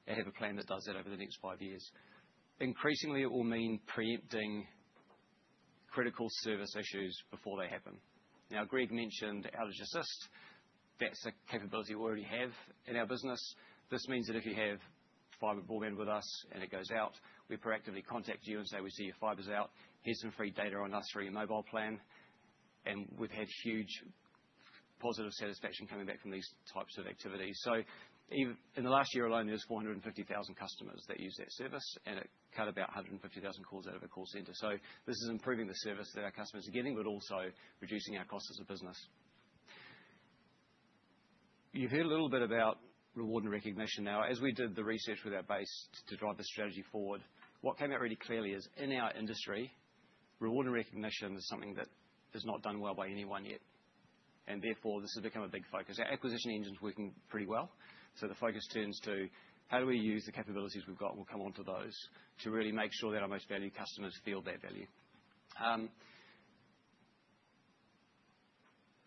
[SPEAKER 6] and have a plan that does that over the next five years. Increasingly, it will mean preempting critical service issues before they happen. Now, Greg mentioned outage assist. That's a capability we already have in our business. This means that if you have fibre broadband with us and it goes out, we proactively contact you and say, "We see your fibre's out. Here's some free data on us for your mobile plan." And we've had huge positive satisfaction coming back from these types of activities. So in the last year alone, there's 450,000 customers that use that service, and it cut about 150,000 calls out of a call center. So this is improving the service that our customers are getting, but also reducing our costs as a business. You've heard a little bit about reward and recognition. Now, as we did the research with our base to drive the strategy forward, what came out really clearly is in our industry, reward and recognition is something that is not done well by anyone yet. And therefore, this has become a big focus. Our acquisition engine's working pretty well. The focus turns to how do we use the capabilities we've got and we'll come on to those to really make sure that our most valued customers feel that value.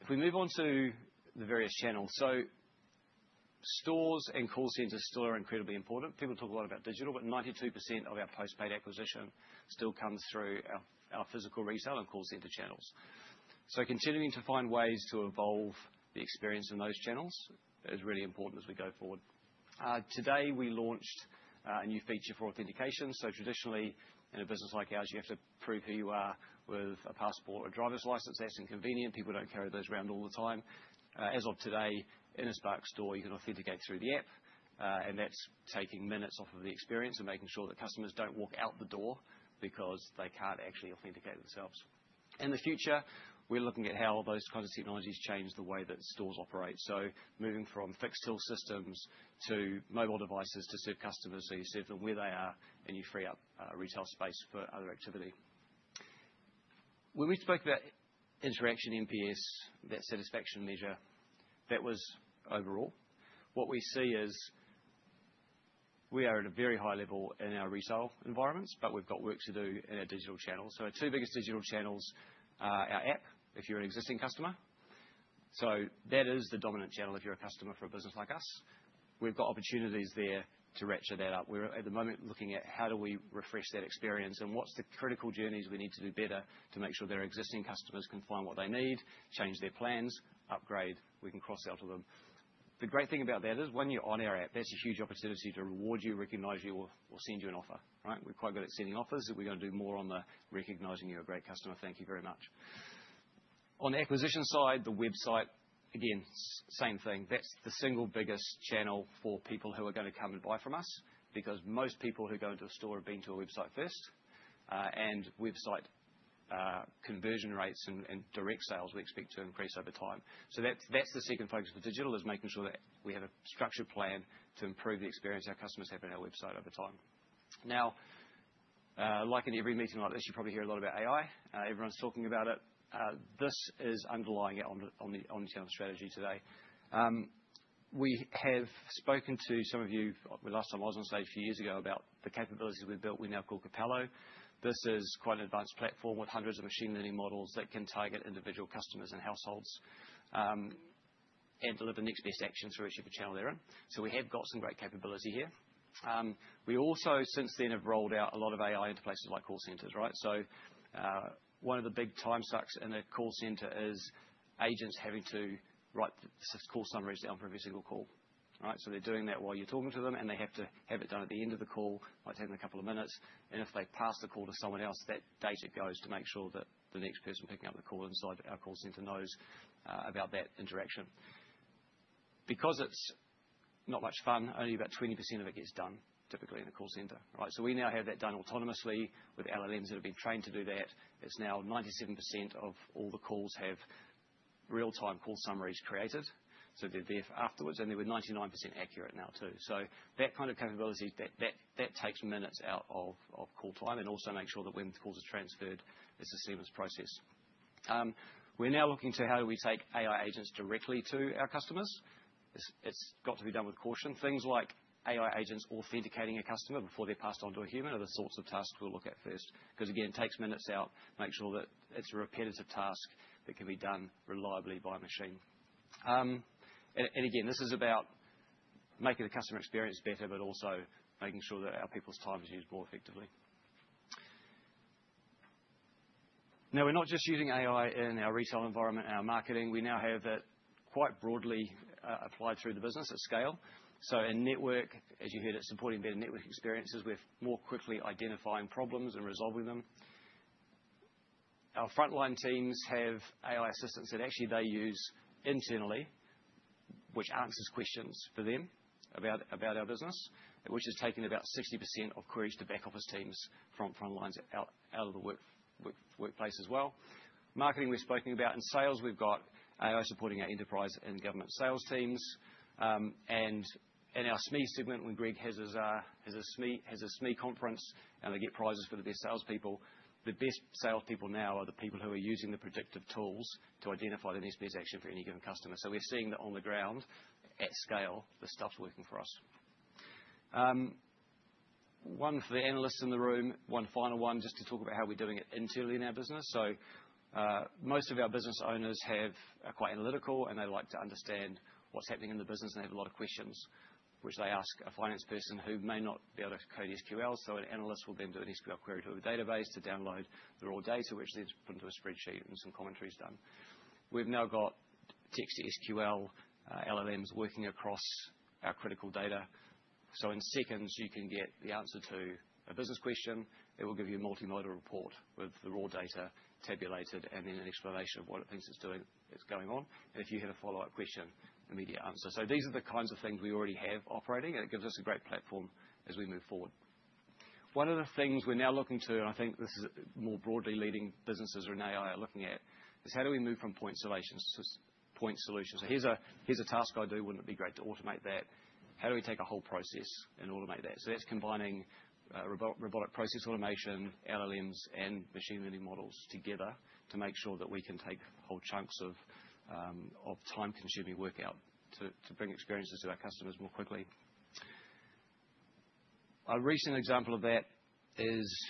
[SPEAKER 6] If we move on to the various channels, stores and call centers still are incredibly important. People talk a lot about digital, but 92% of our postpaid acquisition still comes through our physical retail and call center channels. Continuing to find ways to evolve the experience in those channels is really important as we go forward. Today, we launched a new feature for authentication. Traditionally, in a business like ours, you have to prove who you are with a passport or a driver's license. That's inconvenient. People don't carry those around all the time. As of today, in a Spark store, you can authenticate through the app, and that's taking minutes off of the experience and making sure that customers don't walk out the door because they can't actually authenticate themselves. In the future, we're looking at how those kinds of technologies change the way that stores operate. So moving from fixed till systems to mobile devices to serve customers. So you serve them where they are, and you free up retail space for other activity. When we spoke about interaction NPS, that satisfaction measure, that was overall. What we see is we are at a very high level in our retail environments, but we've got work to do in our digital channels. So our two biggest digital channels are our app, if you're an existing customer. So that is the dominant channel if you're a customer for a business like us. We've got opportunities there to ratchet that up. We're at the moment looking at how do we refresh that experience and what's the critical journeys we need to do better to make sure that our existing customers can find what they need, change their plans, upgrade. We can cross-sell to them. The great thing about that is when you're on our app, that's a huge opportunity to reward you, recognize you, or send you an offer. We're quite good at sending offers. We're going to do more on the recognizing you as a great customer. Thank you very much. On the acquisition side, the website, again, same thing. That's the single biggest channel for people who are going to come and buy from us because most people who go into a store have been to a website first. And website conversion rates and direct sales we expect to increase over time. So that's the second focus for digital, is making sure that we have a structured plan to improve the experience our customers have on our website over time. Now, like in every meeting like this, you probably hear a lot about AI. Everyone's talking about it. This is underlying it on the channel strategy today. We have spoken to some of you last time I was on stage a few years ago about the capabilities we've built. We now call Kapello. This is quite an advanced platform with hundreds of machine learning models that can target individual customers and households and deliver next best action through each of the channels they're in. So we have got some great capability here. We also, since then, have rolled out a lot of AI into places like call centers. One of the big time sucks in a call center is agents having to write call summaries down for every single call. So they're doing that while you're talking to them, and they have to have it done at the end of the call, like taking a couple of minutes. And if they pass the call to someone else, that data goes to make sure that the next person picking up the call inside our call center knows about that interaction. Because it's not much fun, only about 20% of it gets done, typically, in a call center. So we now have that done autonomously with LLMs that have been trained to do that. It's now 97% of all the calls have real-time call summaries created. So they're there afterwards, and they were 99% accurate now too. So that kind of capability, that takes minutes out of call time and also makes sure that when the calls are transferred, it's a seamless process. We're now looking to how do we take AI agents directly to our customers. It's got to be done with caution. Things like AI agents authenticating a customer before they're passed on to a human are the sorts of tasks we'll look at first because, again, it takes minutes out, makes sure that it's a repetitive task that can be done reliably by a machine. And again, this is about making the customer experience better, but also making sure that our people's time is used more effectively. Now, we're not just using AI in our retail environment and our marketing. We now have it quite broadly applied through the business at scale. So in network, as you heard, it's supporting better network experiences. We're more quickly identifying problems and resolving them. Our frontline teams have AI assistants that actually they use internally, which answers questions for them about our business, which has taken about 60% of queries to back office teams from frontlines out of the workplace as well. Marketing, we've spoken about. In sales, we've got AI supporting our enterprise and government sales teams and in our SME segment, when Greg has a SME conference and they get prizes for the best salespeople, the best salespeople now are the people who are using the predictive tools to identify the next best action for any given customer. So we're seeing that on the ground at scale, the stuff's working for us. One for the analysts in the room, one final one just to talk about how we're doing it internally in our business. Most of our business owners are quite analytical, and they like to understand what's happening in the business. They have a lot of questions, which they ask a finance person who may not be able to code SQL. So an analyst will then do an SQL query to a database to download the raw data, which then is put into a spreadsheet and some commentary's done. We've now got text-to-SQL LLMs working across our critical data. So in seconds, you can get the answer to a business question. It will give you a multimodal report with the raw data tabulated and then an explanation of what it thinks it's doing is going on. And if you had a follow-up question, immediate answer. So these are the kinds of things we already have operating, and it gives us a great platform as we move forward. One of the things we're now looking to, and I think this is more broadly leading businesses adopting AI are looking at, is how do we move from point solutions? So here's a task I do. Wouldn't it be great to automate that? How do we take a whole process and automate that? So that's combining robotic process automation, LLMs, and machine learning models together to make sure that we can take whole chunks of time-consuming work out to bring experiences to our customers more quickly. A recent example of that is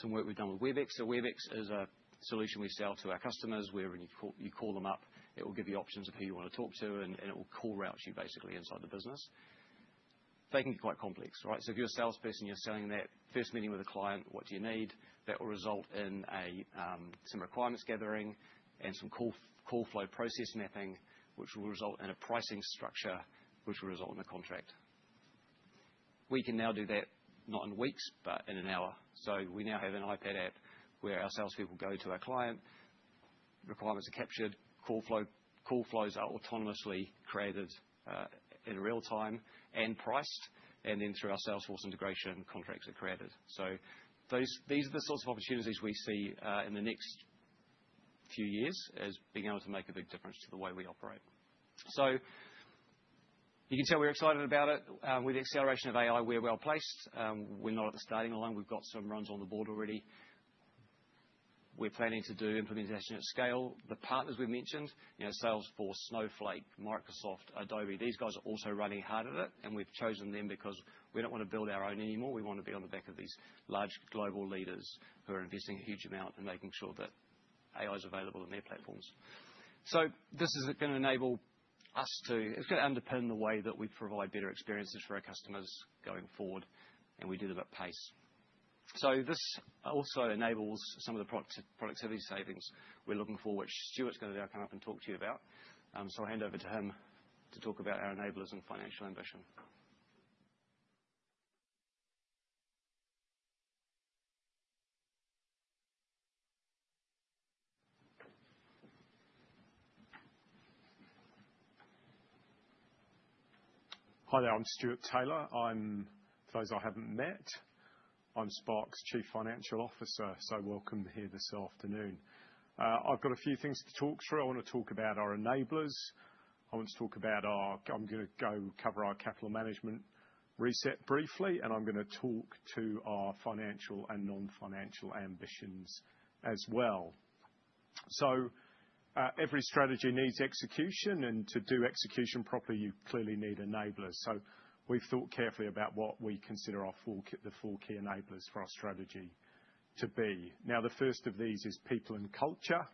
[SPEAKER 6] some work we've done with Webex. So Webex is a solution we sell to our customers whenever you call them up. It will give you options of who you want to talk to, and it will route your call basically inside the business. They can be quite complex. So if you're a salesperson, you're selling that first meeting with a client, what do you need? That will result in some requirements gathering and some call flow process mapping, which will result in a pricing structure, which will result in a contract. We can now do that not in weeks, but in an hour. So we now have an iPad app where our salespeople go to our client. Requirements are captured. Call flows are autonomously created in real time and priced. And then through our Salesforce integration, contracts are created. So these are the sorts of opportunities we see in the next few years as being able to make a big difference to the way we operate. So you can tell we're excited about it. With the acceleration of AI, we're well placed. We're not at the starting line. We've got some runs on the board already. We're planning to do implementation at scale. The partners we mentioned, Salesforce, Snowflake, Microsoft, Adobe, these guys are also running hard at it. And we've chosen them because we don't want to build our own anymore. We want to be on the back of these large global leaders who are investing a huge amount and making sure that AI is available in their platforms. So this is going to enable us to, it's going to underpin the way that we provide better experiences for our customers going forward. And we did it at pace. So this also enables some of the productivity savings we're looking for, which Stewart's going to now come up and talk to you about. So I'll hand over to him to talk about our enablers and financial ambition.
[SPEAKER 7] Hi there. I'm Stewart Taylor. For those I haven't met, I'm Spark's Chief Financial Officer, so welcome here this afternoon. I've got a few things to talk through. I want to talk about our enablers. I'm going to go cover our capital management reset briefly, and I'm going to talk to our financial and non-financial ambitions as well. Every strategy needs execution, and to do execution properly, you clearly need enablers. We've thought carefully about what we consider the four key enablers for our strategy to be. Now, the first of these is people and culture.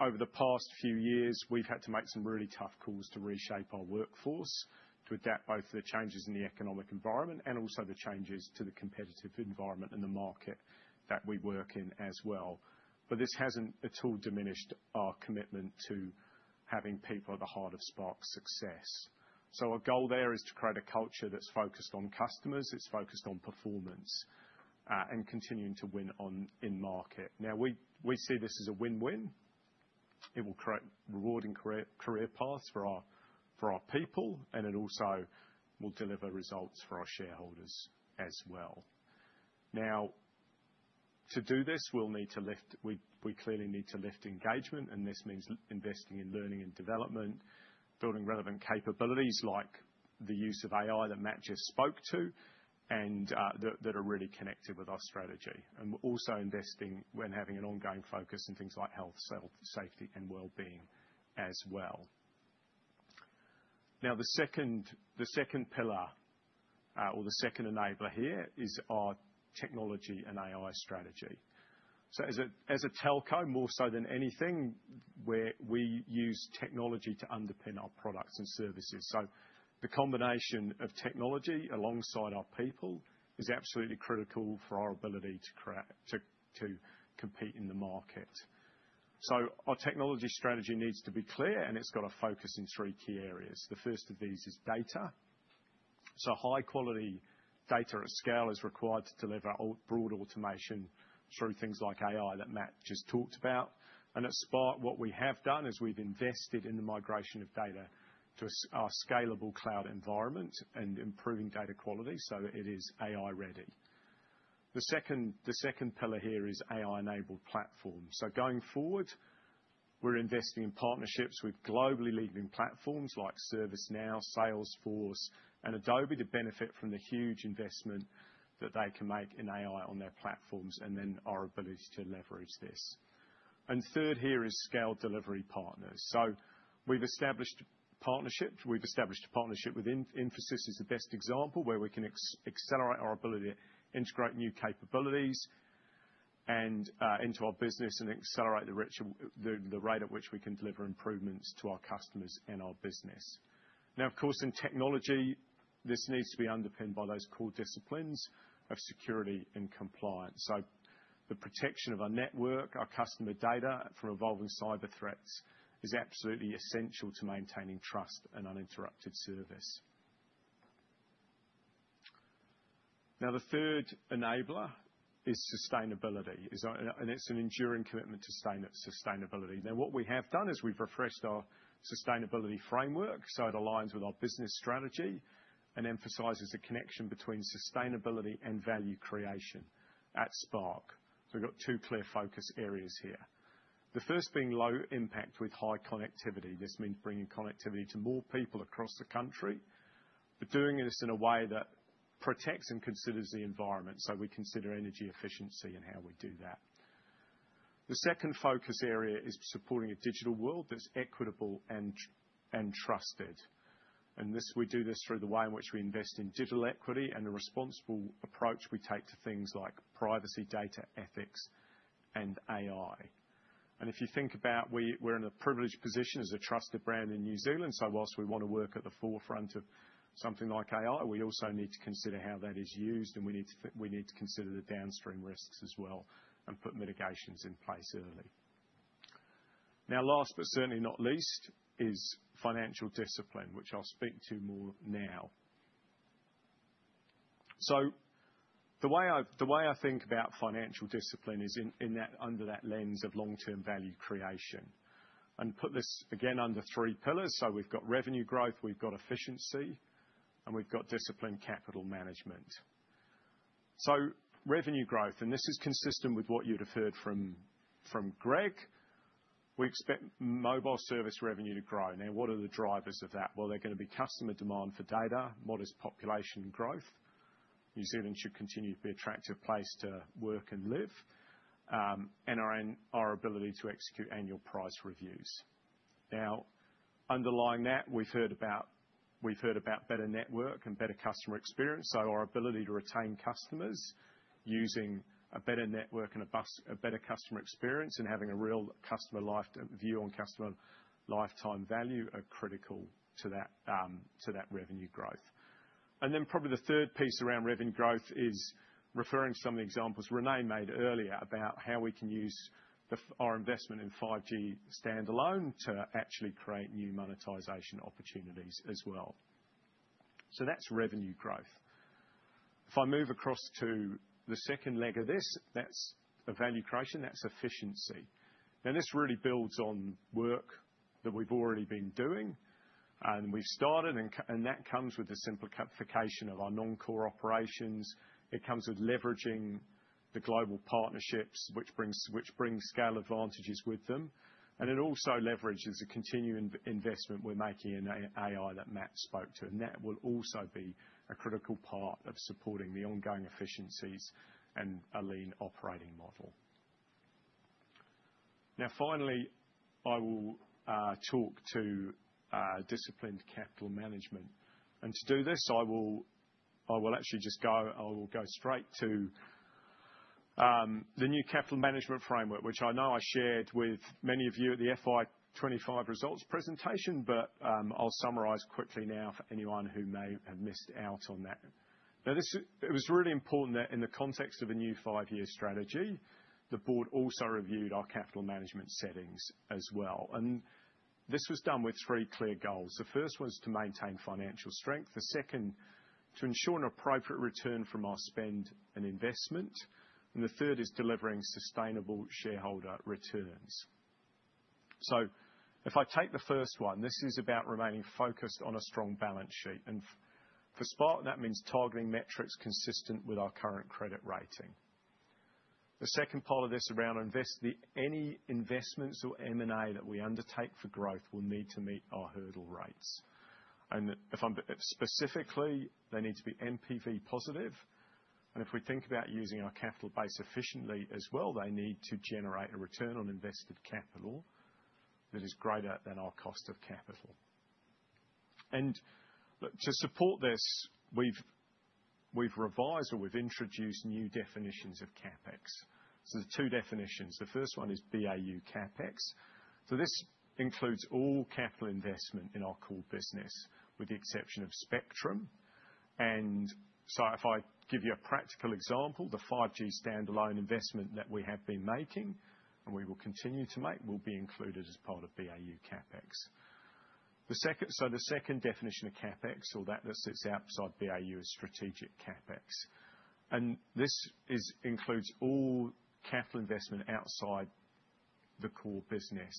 [SPEAKER 7] Over the past few years, we've had to make some really tough calls to reshape our workforce to adapt both the changes in the economic environment and also the changes to the competitive environment and the market that we work in as well. But this hasn't at all diminished our commitment to having people at the heart of Spark's success. So our goal there is to create a culture that's focused on customers. It's focused on performance and continuing to win in market. Now, we see this as a win-win. It will create rewarding career paths for our people, and it also will deliver results for our shareholders as well. Now, to do this, we'll need to lift engagement, and this means investing in learning and development, building relevant capabilities like the use of AI that Matt just spoke to and that are really connected with our strategy, and also investing and having an ongoing focus in things like health, safety, and well-being as well. Now, the second pillar or the second enabler here is our technology and AI strategy. So as a telco, more so than anything, we use technology to underpin our products and services. So the combination of technology alongside our people is absolutely critical for our ability to compete in the market. So our technology strategy needs to be clear, and it's got to focus in three key areas. The first of these is data. So high-quality data at scale is required to deliver broad automation through things like AI that Matt just talked about. And at Spark, what we have done is we've invested in the migration of data to a scalable cloud environment and improving data quality so it is AI-ready. The second pillar here is AI-enabled platform. So going forward, we're investing in partnerships with globally leading platforms like ServiceNow, Salesforce, and Adobe to benefit from the huge investment that they can make in AI on their platforms and then our ability to leverage this. And third here is scaled delivery partners. So we've established a partnership with Infosys as the best example where we can accelerate our ability to integrate new capabilities into our business and accelerate the rate at which we can deliver improvements to our customers and our business. Now, of course, in technology, this needs to be underpinned by those core disciplines of security and compliance. So the protection of our network, our customer data from evolving cyber threats is absolutely essential to maintaining trust and uninterrupted service. Now, the third enabler is sustainability, and it's an enduring commitment to sustainability. Now, what we have done is we've refreshed our sustainability framework so it aligns with our business strategy and emphasizes the connection between sustainability and value creation at Spark. So we've got two clear focus areas here. The first being low impact with high connectivity. This means bringing connectivity to more people across the country, but doing this in a way that protects and considers the environment. So we consider energy efficiency and how we do that. The second focus area is supporting a digital world that's equitable and trusted. And we do this through the way in which we invest in digital equity and the responsible approach we take to things like privacy, data, ethics, and AI. And if you think about, we're in a privileged position as a trusted brand in New Zealand. So while we want to work at the forefront of something like AI, we also need to consider how that is used, and we need to consider the downstream risks as well and put mitigations in place early. Now, last but certainly not least is financial discipline, which I'll speak to more now. So the way I think about financial discipline is under that lens of long-term value creation. And put this again under three pillars. So we've got revenue growth, we've got efficiency, and we've got disciplined capital management. So revenue growth, and this is consistent with what you'd have heard from Greg, we expect mobile service revenue to grow. Now, what are the drivers of that? Well, there are going to be customer demand for data, modest population growth. New Zealand should continue to be an attractive place to work and live, and our ability to execute annual price reviews. Now, underlying that, we've heard about better network and better customer experience. So our ability to retain customers using a better network and a better customer experience and having a real customer view on customer lifetime value are critical to that revenue growth. And then probably the third piece around revenue growth is referring to some of the examples Renee made earlier about how we can use our investment in 5G Standalone to actually create new monetization opportunities as well. So that's revenue growth. If I move across to the second leg of this, that's value creation. That's efficiency. Now, this really builds on work that we've already been doing, and we've started, and that comes with the simplification of our non-core operations. It comes with leveraging the global partnerships, which bring scale advantages with them. And it also leverages the continuing investment we're making in AI that Matt spoke to. And that will also be a critical part of supporting the ongoing efficiencies and a lean operating model. Now, finally, I will talk to disciplined capital management. And to do this, I will actually just go straight to the new capital management framework, which I know I shared with many of you at the FY25 results presentation, but I'll summarise quickly now for anyone who may have missed out on that. Now, it was really important that in the context of a new five-year strategy, the board also reviewed our capital management settings as well. And this was done with three clear goals. The first was to maintain financial strength. The second is to ensure an appropriate return from our spend and investment, and the third is delivering sustainable shareholder returns. If I take the first one, this is about remaining focused on a strong balance sheet. For Spark, that means targeting metrics consistent with our current credit rating. The second part of this around any investments or M&A that we undertake for growth will need to meet our hurdle rates. Specifically, they need to be NPV positive. If we think about using our capital base efficiently as well, they need to generate a return on invested capital that is greater than our cost of capital. To support this, we have revised or we have introduced new definitions of CapEx. There are two definitions. The first one is BAU CapEx. This includes all capital investment in our core business with the exception of spectrum. And so if I give you a practical example, the 5G standalone investment that we have been making and we will continue to make will be included as part of BAU CapEx. So the second definition of CapEx or that sits outside BAU is strategic CapEx. And this includes all capital investment outside the core business.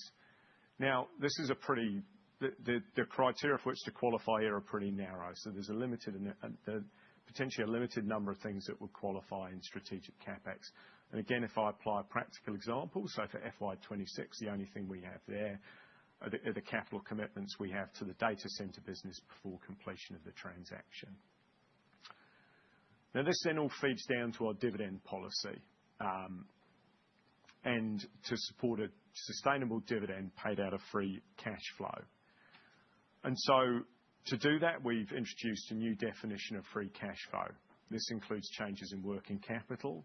[SPEAKER 7] Now, this is pretty. The criteria for which to qualify here are pretty narrow. So there's potentially a limited number of things that would qualify in strategic CapEx. And again, if I apply a practical example, so for FY26, the only thing we have there are the capital commitments we have to the data centre business before completion of the transaction. Now, this then all feeds down to our dividend policy and to support a sustainable dividend paid out of free cash flow. And so to do that, we've introduced a new definition of free cash flow. This includes changes in working capital.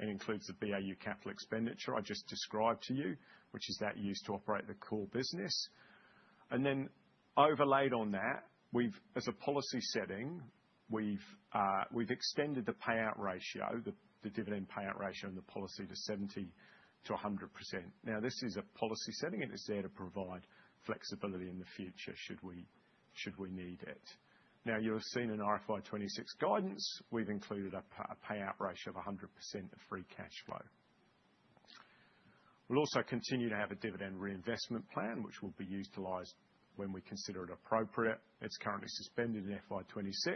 [SPEAKER 7] It includes the BAU capital expenditure I just described to you, which is that used to operate the core business. And then overlaid on that, as a policy setting, we've extended the payout ratio, the dividend payout ratio and the policy to 70%-100%. Now, this is a policy setting. It is there to provide flexibility in the future should we need it. Now, you'll have seen in RFI 26 guidance, we've included a payout ratio of 100% of free cash flow. We'll also continue to have a dividend reinvestment plan, which will be utilized when we consider it appropriate. It's currently suspended in FY26,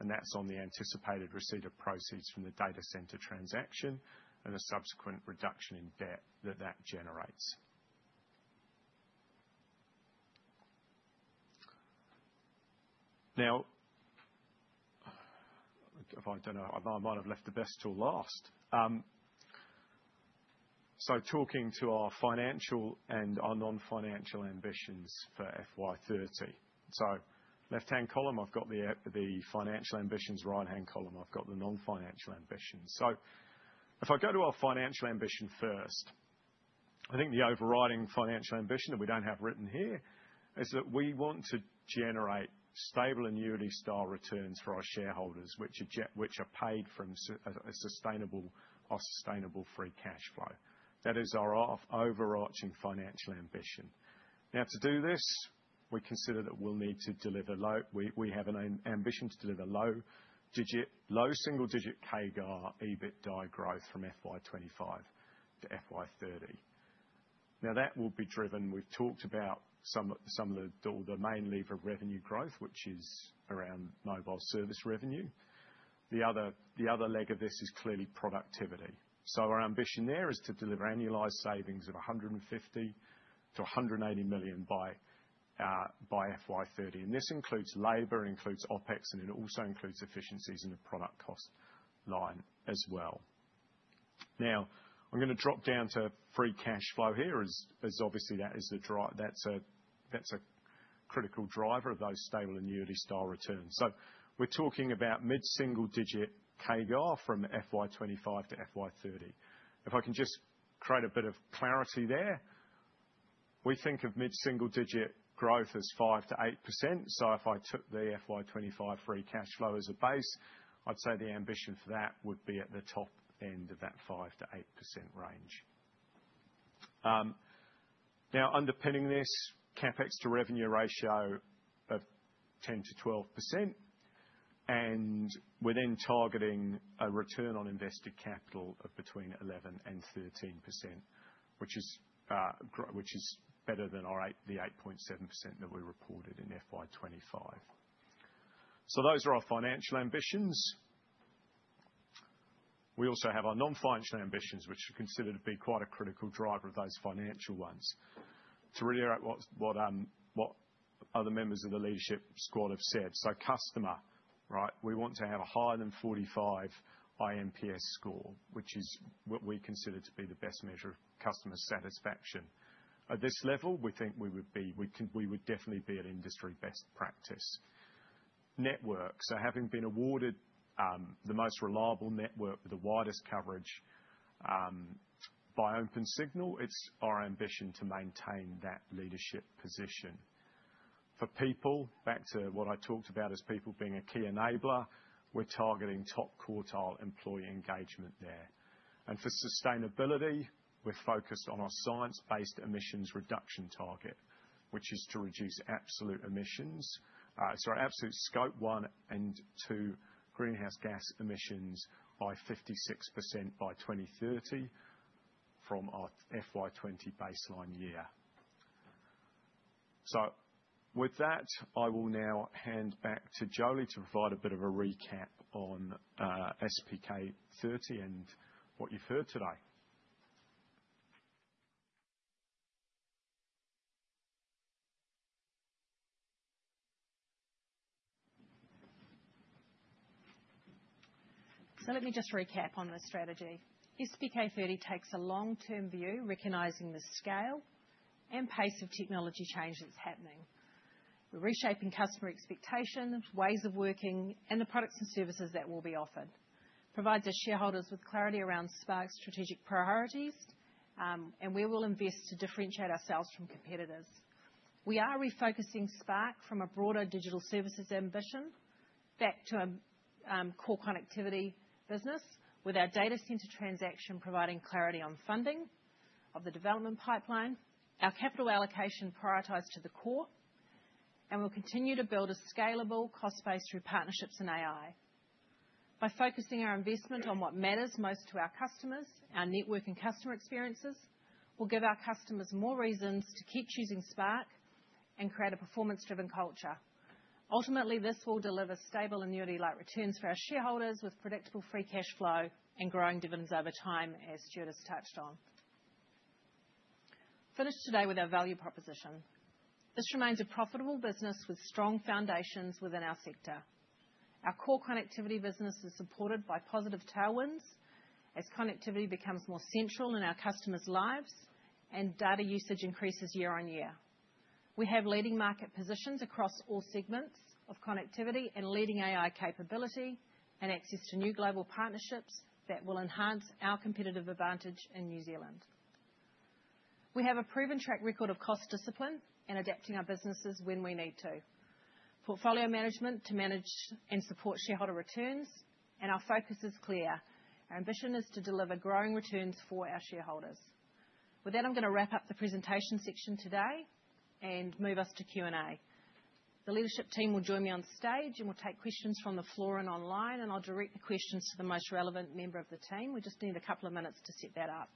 [SPEAKER 7] and that's on the anticipated receipt of proceeds from the data centre transaction and the subsequent reduction in debt that that generates. Now, I don't know. I might have left the best till last. So talking to our financial and our non-financial ambitions for FY30. So left-hand column, I've got the financial ambitions. Right-hand column, I've got the non-financial ambitions. So if I go to our financial ambition first, I think the overriding financial ambition that we don't have written here is that we want to generate stable annuity-style returns for our shareholders, which are paid from our sustainable free cash flow. That is our overarching financial ambition. Now, to do this, we consider that we'll need to deliver. We have an ambition to deliver low single-digit CAGR EBITDA growth from FY25 to FY30. Now, that will be driven. We've talked about some of the main lever of revenue growth, which is around mobile service revenue. The other leg of this is clearly productivity. Our ambition there is to deliver annualized savings of 150-180 million by FY30. And this includes labour, it includes OpEx, and it also includes efficiencies in the product cost line as well. Now, I'm going to drop down to free cash flow here, as obviously that's a critical driver of those stable annuity-style returns. So we're talking about mid-single-digit CAGR from FY25 to FY30. If I can just create a bit of clarity there, we think of mid-single-digit growth as 5%-8%. So if I took the FY25 free cash flow as a base, I'd say the ambition for that would be at the top end of that 5%-8% range. Now, underpinning this, CapEx to revenue ratio of 10%-12%. We're then targeting a return on invested capital of between 11% and 13%, which is better than the 8.7% that we reported in FY25. So those are our financial ambitions. We also have our non-financial ambitions, which are considered to be quite a critical driver of those financial ones. To reiterate what other members of the leadership squad have said, so customer, right, we want to have a higher than 45 iNPS score, which is what we consider to be the best measure of customer satisfaction. At this level, we think we would definitely be an industry best practice. Network. So having been awarded the most reliable network with the widest coverage by Opensignal, it's our ambition to maintain that leadership position. For people, back to what I talked about as people being a key enabler, we're targeting top quartile employee engagement there. And for sustainability, we're focused on our science-based emissions reduction target, which is to reduce absolute emissions sorry, absolute Scope 1 and 2 greenhouse gas emissions by 56% by 2030 from our FY20 baseline year. So with that, I will now hand back to Jolie to provide a bit of a recap on SPK30 and what you've heard today.
[SPEAKER 2] So let me just recap on the strategy. SPK30 takes a long-term view, recognizing the scale and pace of technology change that's happening. We're reshaping customer expectations, ways of working, and the products and services that will be offered. It provides our shareholders with clarity around Spark's strategic priorities, and we will invest to differentiate ourselves from competitors. We are refocusing Spark from a broader digital services ambition back to a core connectivity business, with our data centre transaction providing clarity on funding of the development pipeline, our capital allocation prioritized to the core, and we'll continue to build a scalable cost base through partnerships and AI. By focusing our investment on what matters most to our customers, our network and customer experiences, we'll give our customers more reasons to keep choosing Spark and create a performance-driven culture. Ultimately, this will deliver stable annuity-like returns for our shareholders with predictable free cash flow and growing dividends over time, as Stewart has touched on. Finish today with our value proposition. This remains a profitable business with strong foundations within our sector. Our core connectivity business is supported by positive tailwinds as connectivity becomes more central in our customers' lives and data usage increases year on year. We have leading market positions across all segments of connectivity and leading AI capability and access to new global partnerships that will enhance our competitive advantage in New Zealand. We have a proven track record of cost discipline and adapting our businesses when we need to. Portfolio management to manage and support shareholder returns, and our focus is clear. Our ambition is to deliver growing returns for our shareholders. With that, I'm going to wrap up the presentation section today and move us to Q&A. The leadership team will join me on stage and will take questions from the floor and online, and I'll direct the questions to the most relevant member of the team. We just need a couple of minutes to set that up.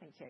[SPEAKER 2] Thank you.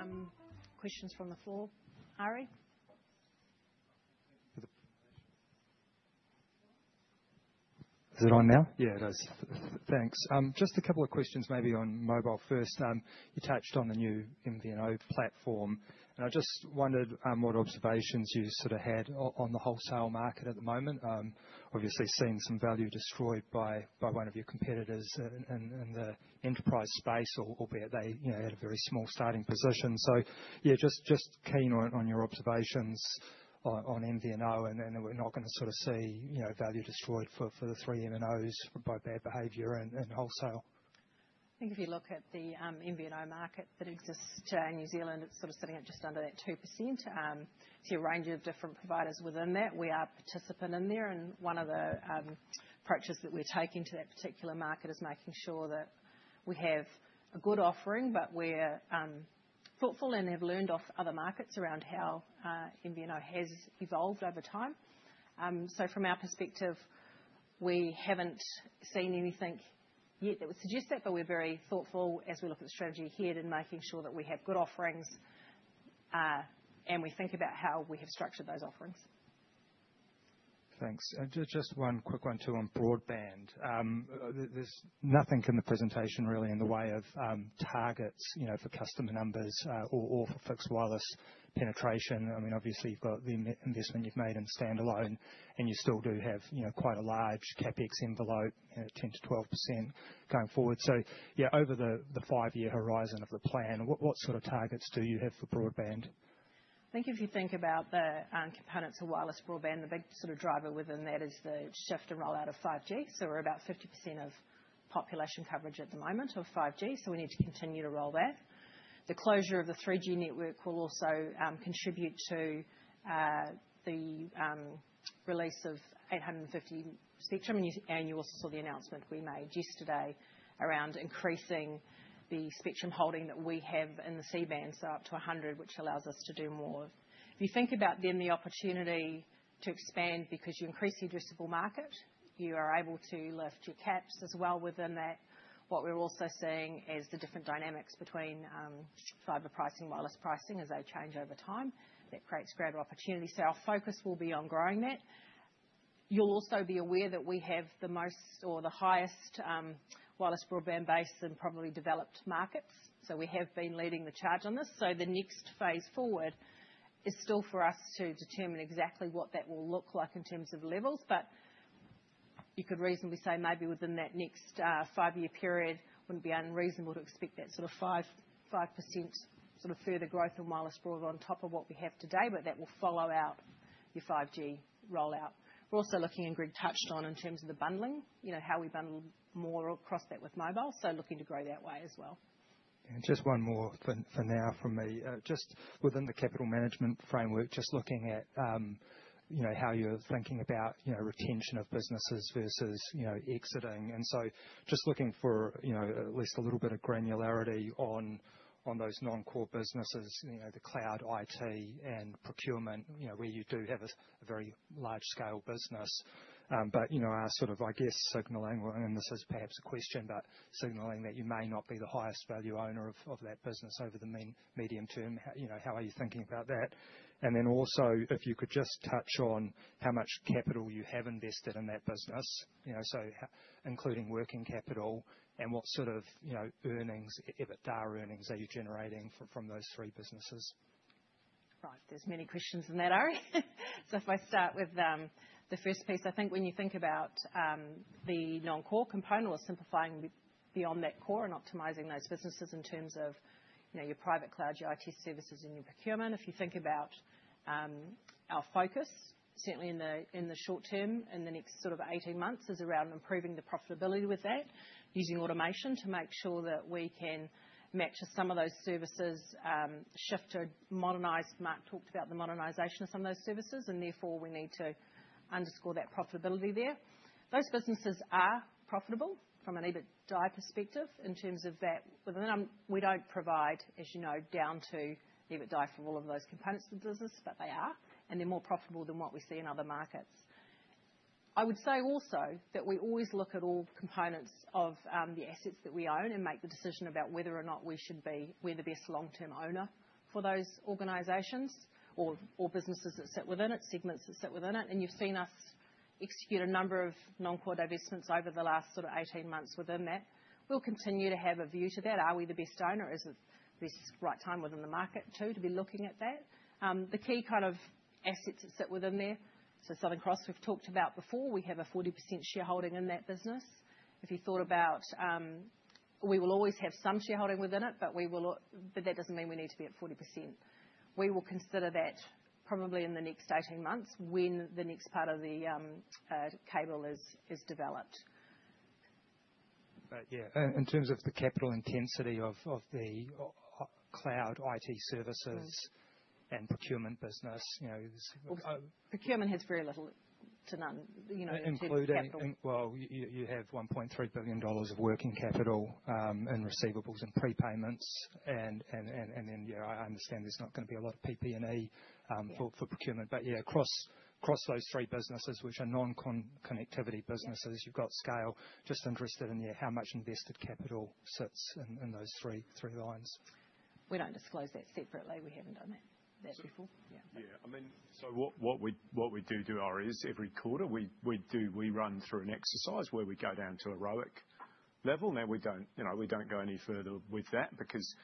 [SPEAKER 2] Okay. Happy to take questions from the floor. Harry?
[SPEAKER 4] Is it on now?
[SPEAKER 8] Yeah, it is. Thanks. Just a couple of questions maybe on mobile first. You touched on the new MVNO platform, and I just wondered what observations you sort of had on the wholesale market at the moment. Obviously, seeing some value destroyed by one of your competitors in the enterprise space, albeit they had a very small starting position. So yeah, just keen on your observations on MVNO, and we're not going to sort of see value destroyed for the three MNOs by bad behaviour in wholesale.
[SPEAKER 2] I think if you look at the MVNO market that exists today in New Zealand, it's sort of sitting at just under that 2%. You see a range of different providers within that. We are participants in there, and one of the approaches that we're taking to that particular market is making sure that we have a good offering, but we're thoughtful and have learned off other markets around how MVNO has evolved over time. So from our perspective, we haven't seen anything yet that would suggest that, but we're very thoughtful as we look at the strategy ahead in making sure that we have good offerings and we think about how we have structured those offerings.
[SPEAKER 8] Thanks. And just one quick one too on broadband. There's nothing in the presentation really in the way of targets for customer numbers or for fixed wireless penetration. I mean, obviously, you've got the investment you've made in standalone, and you still do have quite a large CapEx envelope, 10%-12% going forward. So yeah, over the five-year horizon of the plan, what sort of targets do you have for broadband?
[SPEAKER 2] I think if you think about the components of wireless broadband, the big sort of driver within that is the shift and rollout of 5G. So we're about 50% of population coverage at the moment of 5G, so we need to continue to roll that. The closure of the 3G network will also contribute to the release of 850 spectrum, and you also saw the announcement we made yesterday around increasing the spectrum holding that we have in the C-band, so up to 100, which allows us to do more. If you think about then the opportunity to expand because you increase the addressable market, you are able to lift your caps as well within that. What we're also seeing is the different dynamics between fibre pricing, wireless pricing as they change over time. That creates greater opportunity. So our focus will be on growing that. You'll also be aware that we have the most or the highest wireless broadband base in probably developed markets. So we have been leading the charge on this. So the next phase forward is still for us to determine exactly what that will look like in terms of levels, but you could reasonably say maybe within that next five-year period, it wouldn't be unreasonable to expect that sort of 5% sort of further growth in wireless broadband on top of what we have today, but that will follow out your 5G rollout. We're also looking, and Greg touched on, in terms of the bundling, how we bundle more across that with mobile. So looking to grow that way as well.
[SPEAKER 8] Just one more for now from me. Just within the capital management framework, just looking at how you're thinking about retention of businesses versus exiting. So just looking for at least a little bit of granularity on those non-core businesses, the cloud, IT, and procurement, where you do have a very large-scale business. Our sort of, I guess, signaling, and this is perhaps a question, but signaling that you may not be the highest value owner of that business over the medium term, how are you thinking about that? Then also if you could just touch on how much capital you have invested in that business, so including working capital, and what sort of earnings, EBITDA earnings are you generating from those three businesses?
[SPEAKER 2] Right. There's many questions in that, Harry. So if I start with the first piece, I think when you think about the non-core component or simplifying beyond that core and optimizing those businesses in terms of your private cloud, your IT services, and your procurement, if you think about our focus, certainly in the short term, in the next sort of 18 months is around improving the profitability with that, using automation to make sure that we can match some of those services, shift to modernize. Mark talked about the modernization of some of those services, and therefore we need to underscore that profitability there. Those businesses are profitable from an EBITDA perspective in terms of that. We don't provide, as you know, down to EBITDA for all of those components of the business, but they are, and they're more profitable than what we see in other markets. I would say also that we always look at all components of the assets that we own and make the decision about whether or not we should be the best long-term owner for those organisations or businesses that sit within it, segments that sit within it. And you've seen us execute a number of non-core divestments over the last sort of 18 months within that. We'll continue to have a view to that. Are we the best owner? Is this the right time within the market too to be looking at that? The key kind of assets that sit within there, so Southern Cross, we've talked about before. We have a 40% shareholding in that business. If you thought about, we will always have some shareholding within it, but that doesn't mean we need to be at 40%. We will consider that probably in the next 18 months when the next part of the cable is developed.
[SPEAKER 8] But yeah, in terms of the capital intensity of the cloud, IT services, and procurement business.
[SPEAKER 2] Procurement has very little to none.
[SPEAKER 8] Including, well, you have 1.3 billion dollars of working capital and receivables and prepayments, and then I understand there's not going to be a lot of PP&E for procurement, but yeah, across those three businesses, which are non-connectivity businesses, you've got scale. Just interested in how much invested capital sits in those three lines.
[SPEAKER 2] We don't disclose that separately. We haven't done that before.
[SPEAKER 7] Yeah. I mean, so what we do do, Harry, is every quarter we run through an exercise where we go down to a ROIC level. Now, we don't go any further with that because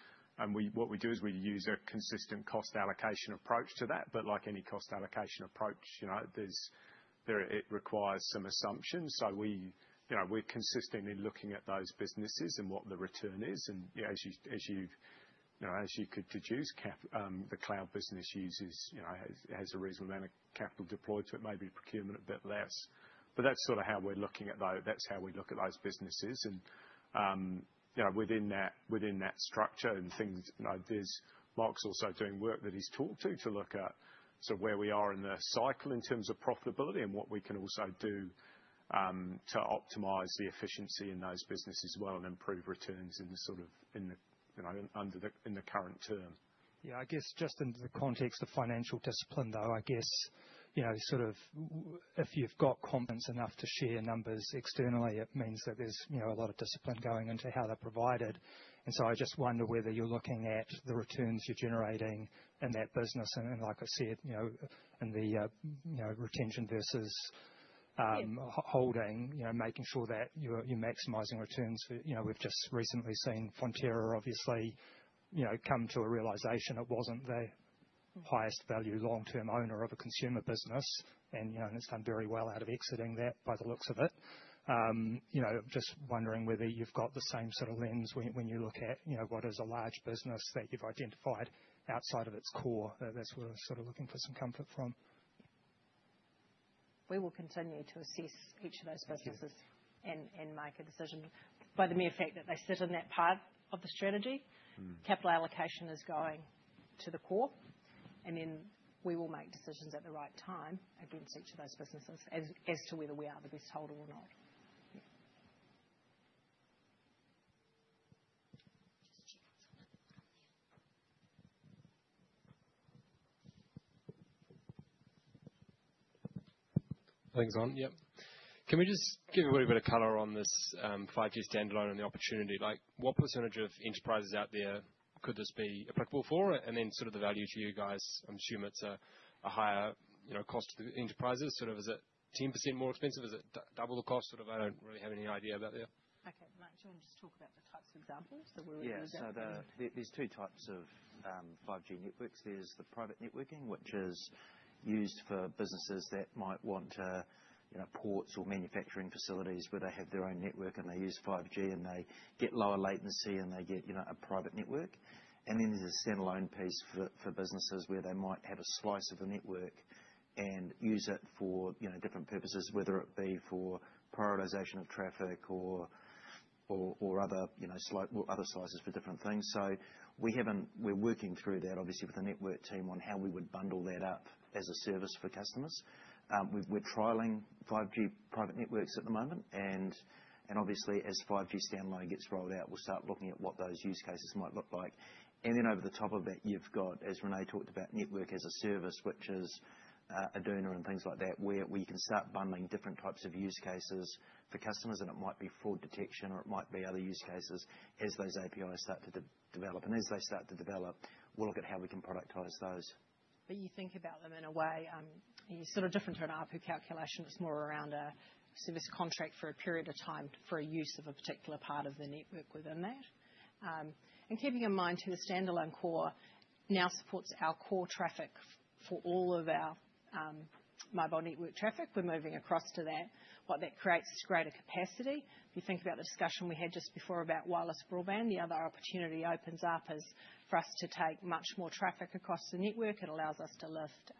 [SPEAKER 7] what we do is we use a consistent cost allocation approach to that. But like any cost allocation approach, it requires some assumptions. So we're consistently looking at those businesses and what the return is. And as you could deduce, the cloud business has a reasonable amount of capital deployed to it, maybe procurement a bit less. But that's sort of how we're looking at that. That's how we look at those businesses. Within that structure and things, Mark's also doing work that he's talked to look at sort of where we are in the cycle in terms of profitability and what we can also do to optimize the efficiency in those businesses as well and improve returns in the sort of under the current term.
[SPEAKER 8] Yeah. I guess just in the context of financial discipline, though, I guess sort of if you've got confidence enough to share numbers externally, it means that there's a lot of discipline going into how they're provided. And so I just wonder whether you're looking at the returns you're generating in that business. And like I said, in the retention versus holding, making sure that you're maximizing returns. We've just recently seen Fonterra, obviously, come to a realization it wasn't the highest value long-term owner of a consumer business, and it's done very well out of exiting that by the looks of it. Just wondering whether you've got the same sort of lens when you look at what is a large business that you've identified outside of its core. That's where we're sort of looking for some comfort from.
[SPEAKER 2] We will continue to assess each of those businesses and make a decision by the mere fact that they sit in that part of the strategy. Capital allocation is going to the core, and then we will make decisions at the right time against each of those businesses as to whether we are the best holder or not. Thanks. Yep. Can we just give everybody a bit of color on this 5G Standalone and the opportunity? What percentage of enterprises out there could this be applicable for? And then sort of the value to you guys, I'm assuming it's a higher cost to the enterprises. Sort of is it 10% more expensive? Is it double the cost? Sort of I don't really have any idea about that. Okay. Mark, do you want to just talk about the types of examples? So where we're going to go.
[SPEAKER 4] Yeah. So there's two types of 5G networks. There's the private networking, which is used for businesses that might want ports or manufacturing facilities where they have their own network and they use 5G and they get lower latency and they get a private network. And then there's a standalone piece for businesses where they might have a slice of a network and use it for different purposes, whether it be for prioritization of traffic or other slices for different things. So we're working through that, obviously, with the network team on how we would bundle that up as a service for customers. We're trialing 5G private networks at the moment. And obviously, as 5G standalone gets rolled out, we'll start looking at what those use cases might look like. And then over the top of that, you've got, as Renee talked about, network as a service, which is a dooner and things like that, where we can start bundling different types of use cases for customers. And it might be fraud detection or it might be other use cases as those APIs start to develop. And as they start to develop, we'll look at how we can productize those.
[SPEAKER 2] But you think about them in a way sort of different to an ARPU calculation. It's more around a service contract for a period of time for use of a particular part of the network within that. And keeping in mind too, the standalone core now supports our core traffic for all of our mobile network traffic. We're moving across to that. What that creates is greater capacity. If you think about the discussion we had just before about wireless broadband, the other opportunity opens up is for us to take much more traffic across the network. It allows us to lift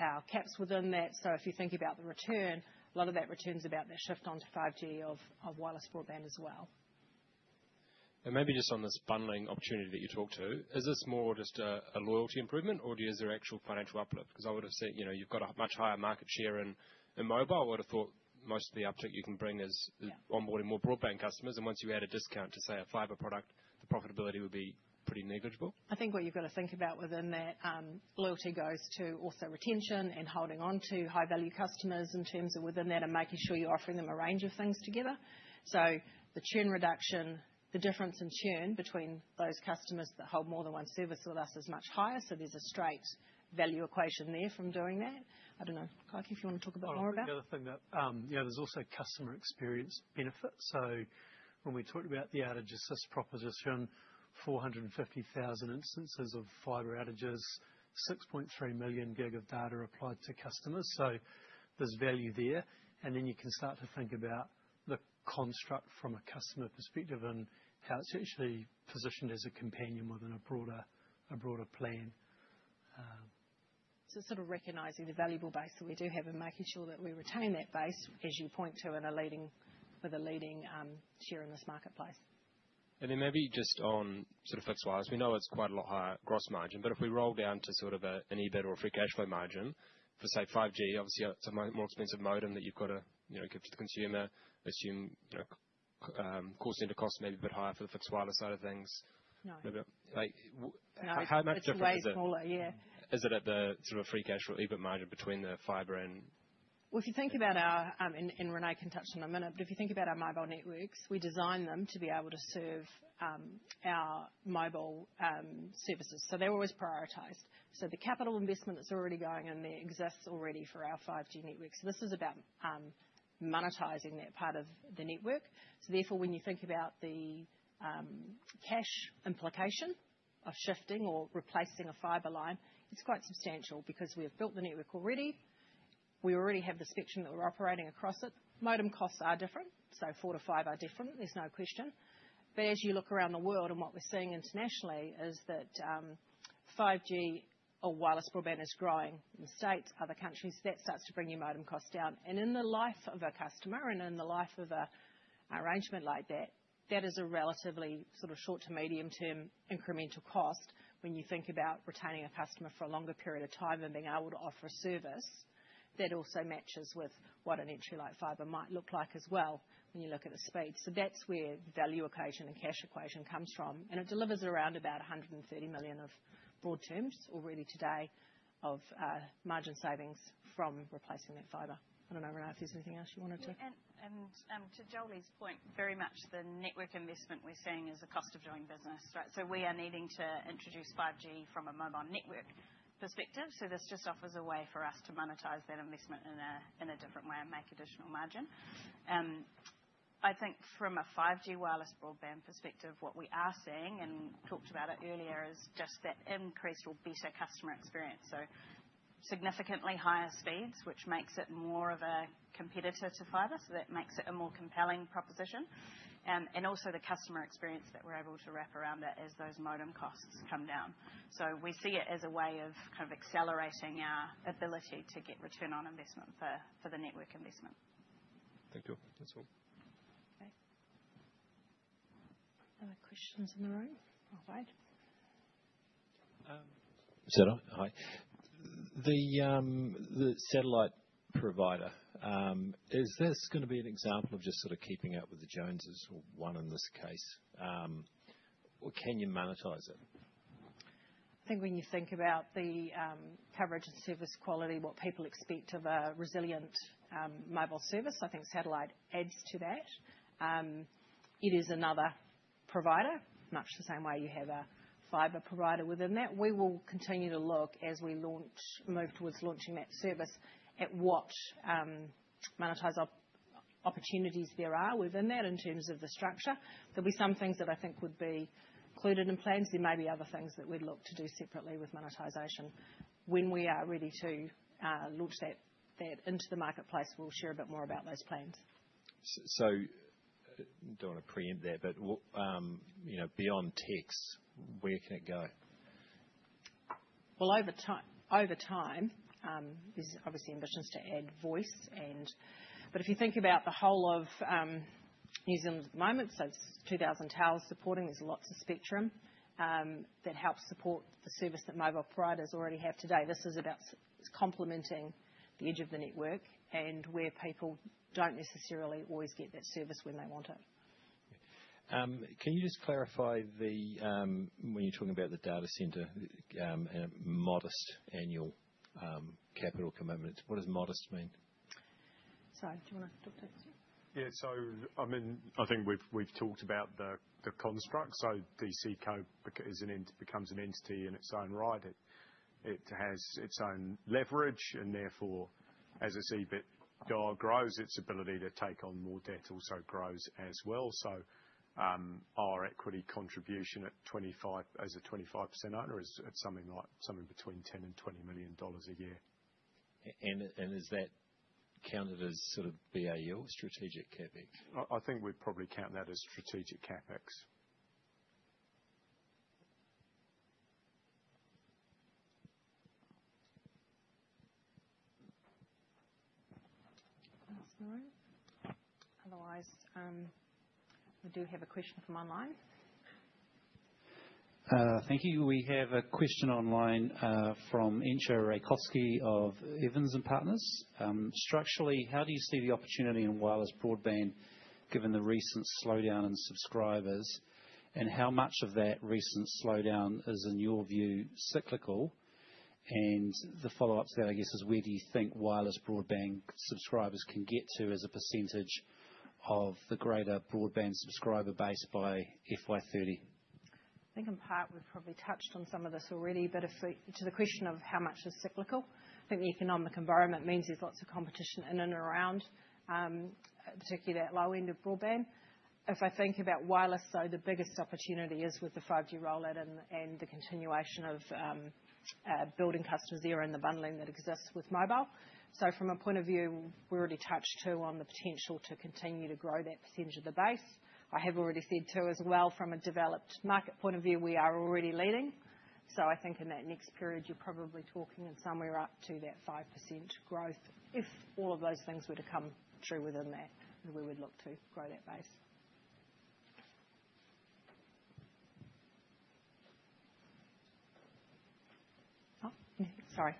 [SPEAKER 2] our caps within that. So if you think about the return, a lot of that returns about that shift onto 5G of wireless broadband as well. Maybe just on this bundling opportunity that you talked to, is this more just a loyalty improvement or is there actual financial uplift? Because I would have said you've got a much higher market share in mobile. I would have thought most of the uptake you can bring is onboarding more broadband customers. And once you add a discount to, say, a fibre product, the profitability would be pretty negligible. I think what you've got to think about within that loyalty goes to also retention and holding onto high-value customers in terms of within that and making sure you're offering them a range of things together. So the churn reduction, the difference in churn between those customers that hold more than one service with us, is much higher. So there's a straight value equation there from doing that. I don't know, Clark, if you want to talk a bit more about it.
[SPEAKER 3] I think the other thing that there's also customer experience benefits. So when we talked about the outages as proposition, 450,000 instances of fibre outages, 6.3 million gig of data applied to customers. So there's value there. And then you can start to think about the construct from a customer perspective and how it's actually positioned as a companion within a broader plan.
[SPEAKER 2] So sort of recognizing the valuable base that we do have and making sure that we retain that base, as you point to, with a leading share in this marketplace. And then maybe just on sort of fixed wireless, we know it's quite a lot higher gross margin, but if we roll down to sort of an EBIT or a free cash flow margin for, say, 5G, obviously, it's a more expensive modem that you've got to give to the consumer. Assume cost into cost may be a bit higher for the fixed wireless side of things. No. How much difference is it? No. It's way smaller, yeah. Is it at the sort of free cash flow EBIT margin between the fibre and? If you think about our, and Renee can touch on it in a minute, but if you think about our mobile networks, we designed them to be able to serve our mobile services, so they're always prioritised, so the capital investment that's already going in there exists already for our 5G network, so this is about monetizing that part of the network, so therefore, when you think about the cash implication of shifting or replacing a fibre line, it's quite substantial because we have built the network already. We already have the spectrum that we're operating across it. Modem costs are different, so four to five are different. There's no question, but as you look around the world and what we're seeing internationally is that 5G or wireless broadband is growing in the States, other countries. That starts to bring your modem costs down. In the life of a customer and in the life of an arrangement like that, that is a relatively sort of short to medium-term incremental cost when you think about retaining a customer for a longer period of time and being able to offer a service that also matches with what an entry-level fibre might look like as well when you look at the speed. So that's where the value equation and cash equation comes from. And it delivers around about 130 million in broad terms already today of margin savings from replacing that fibre. I don't know, Renee, if there's anything else you wanted to.
[SPEAKER 5] And to Jolie's point, very much the network investment we're seeing is a cost of doing business, right? So we are needing to introduce 5G from a mobile network perspective. So this just offers a way for us to monetize that investment in a different way and make additional margin. I think from a 5G wireless broadband perspective, what we are seeing and talked about it earlier is just that increased or better customer experience. So significantly higher speeds, which makes it more of a competitor to fibre. So that makes it a more compelling proposition. And also the customer experience that we're able to wrap around it as those modem costs come down. So we see it as a way of kind of accelerating our ability to get return on investment for the network investment. Thank you. That's all.
[SPEAKER 2] Okay. Other questions in the room? I'll wait. So, hi. The satellite provider, is this going to be an example of just sort of keeping up with the Joneses or one in this case? Can you monetize it? I think when you think about the coverage and service quality, what people expect of a resilient mobile service, I think satellite adds to that. It is another provider, much the same way you have a fibre provider within that. We will continue to look as we move towards launching that service at what monetized opportunities there are within that in terms of the structure. There'll be some things that I think would be included in plans. There may be other things that we'd look to do separately with monetization. When we are ready to launch that into the marketplace, we'll share a bit more about those plans. So I don't want to preempt that, but beyond text, where can it go? Well, over time, there's obviously ambitions to add voice. But if you think about the whole of New Zealand at the moment, so it's 2,000 towers supporting. There's lots of spectrum that helps support the service that mobile providers already have today. This is about complementing the edge of the network and where people don't necessarily always get that service when they want it. Can you just clarify when you're talking about the data centre, modest annual capital commitment? What does modest mean? Sorry. Do you want to talk to us?
[SPEAKER 7] Yeah. So I mean, I think we've talked about the construct. So DC Co becomes an entity in its own right. It has its own leverage. And therefore, as its EBITDA grows, its ability to take on more debt also grows as well. So our equity contribution as a 25% owner is something between 10 million and 20 million dollars a year. Is that counted as sort of BAU or strategic CapEx? I think we'd probably count that as strategic CapEx.
[SPEAKER 2] Thanks. Otherwise, we do have a question from online.
[SPEAKER 9] Thank you. We have a question online from Entcho Raykovski of Evans and Partners. Structurally, how do you see the opportunity in wireless broadband given the recent slowdown in subscribers? And how much of that recent slowdown is, in your view, cyclical? And the follow-up to that, I guess, is where do you think wireless broadband subscribers can get to as a percentage of the greater broadband subscriber base by FY30?
[SPEAKER 2] I think in part we've probably touched on some of this already, but to the question of how much is cyclical, I think the economic environment means there's lots of competition in and around, particularly that low end of broadband. If I think about wireless, though, the biggest opportunity is with the 5G rollout and the continuation of building customers there and the bundling that exists with mobile. So from a point of view, we already touched too on the potential to continue to grow that percentage of the base. I have already said too as well from a developed market point of view, we are already leading. So I think in that next period, you're probably talking in somewhere up to that 5% growth. If all of those things were to come true within that, we would look to grow that base. Oh, sorry. Chris, can you? Thank you. Okay.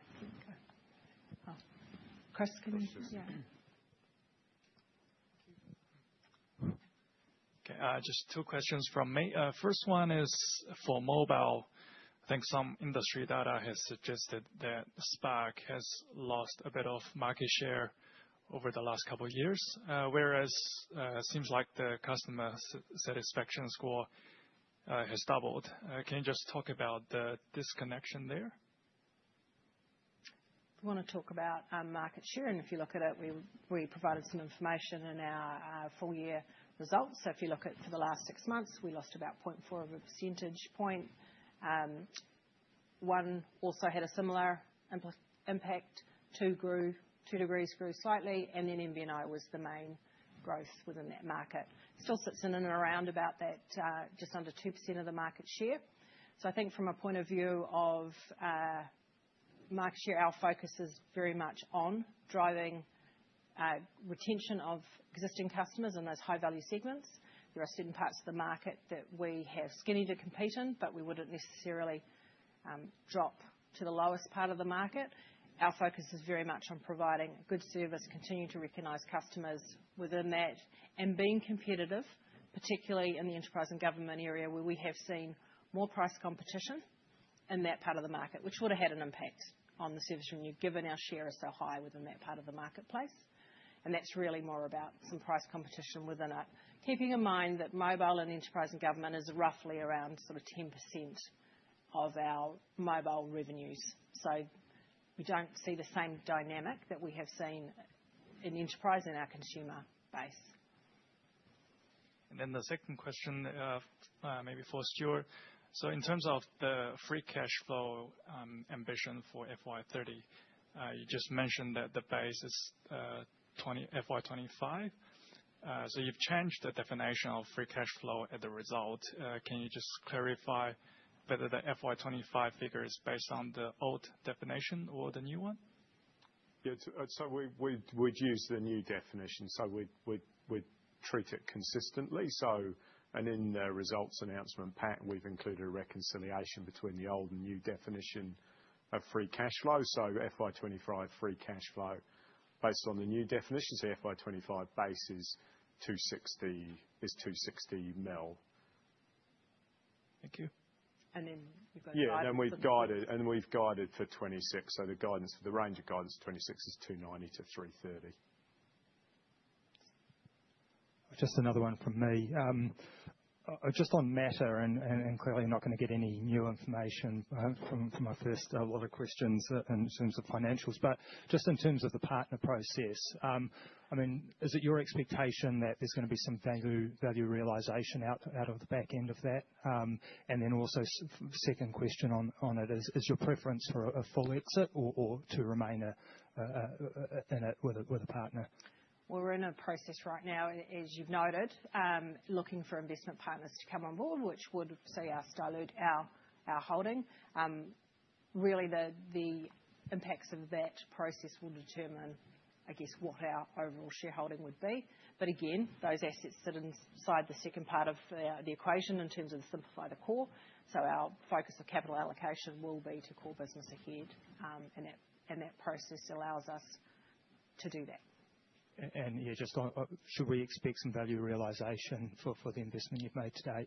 [SPEAKER 2] Just two questions from me. First one is for mobile. I think some industry data has suggested that Spark has lost a bit of market share over the last couple of years, whereas it seems like the customer satisfaction score has doubled. Can you just talk about the disconnection there? If you want to talk about market share and if you look at it, we provided some information in our full-year results. So if you look at for the last six months, we lost about 0.4 of a percentage point. One also had a similar impact. 2degrees grew slightly. And then MVNO was the main growth within that market. Still sits in and around about that, just under 2% of the market share. So I think from a point of view of market share, our focus is very much on driving retention of existing customers in those high-value segments. There are certain parts of the market that we have Skinny to compete in, but we wouldn't necessarily drop to the lowest part of the market. Our focus is very much on providing good service, continuing to recognize customers within that, and being competitive, particularly in the enterprise and government area where we have seen more price competition in that part of the market, which would have had an impact on the service revenue, given our share is so high within that part of the marketplace, and that's really more about some price competition within it. Keeping in mind that mobile and enterprise and government is roughly around sort of 10% of our mobile revenues, so we don't see the same dynamic that we have seen in enterprise and our consumer base. And then the second question, maybe for Stewart. So in terms of the free cash flow ambition for FY30, you just mentioned that the base is FY25. So you've changed the definition of free cash flow as a result. Can you just clarify whether the FY25 figure is based on the old definition or the new one?
[SPEAKER 7] Yeah. So we'd use the new definition. So we'd treat it consistently. And in the results announcement pattern, we've included a reconciliation between the old and new definition of free cash flow. So FY25 free cash flow based on the new definition. So FY25 base is 260 million. Thank you.
[SPEAKER 2] And then we've got guidance.
[SPEAKER 7] Yeah. And we've guided for 26. So the range of guidance for 26 is 290 to 330.
[SPEAKER 8] Just another one from me. Just on MATTR, and clearly I'm not going to get any new information from my first lot of questions in terms of financials. But just in terms of the partner process, I mean, is it your expectation that there's going to be some value realization out of the back end of that? And then also second question on it, is your preference for a full exit or to remain in it with a partner?
[SPEAKER 2] We're in a process right now, as you've noted, looking for investment partners to come on board, which would see us dilute our holding. Really, the impacts of that process will determine, I guess, what our overall shareholding would be. But again, those assets sit inside the second part of the equation in terms of simplify the core. Our focus of capital allocation will be to core business ahead. That process allows us to do that.
[SPEAKER 8] Yeah, just going, should we expect some value realization for the investment you've made today?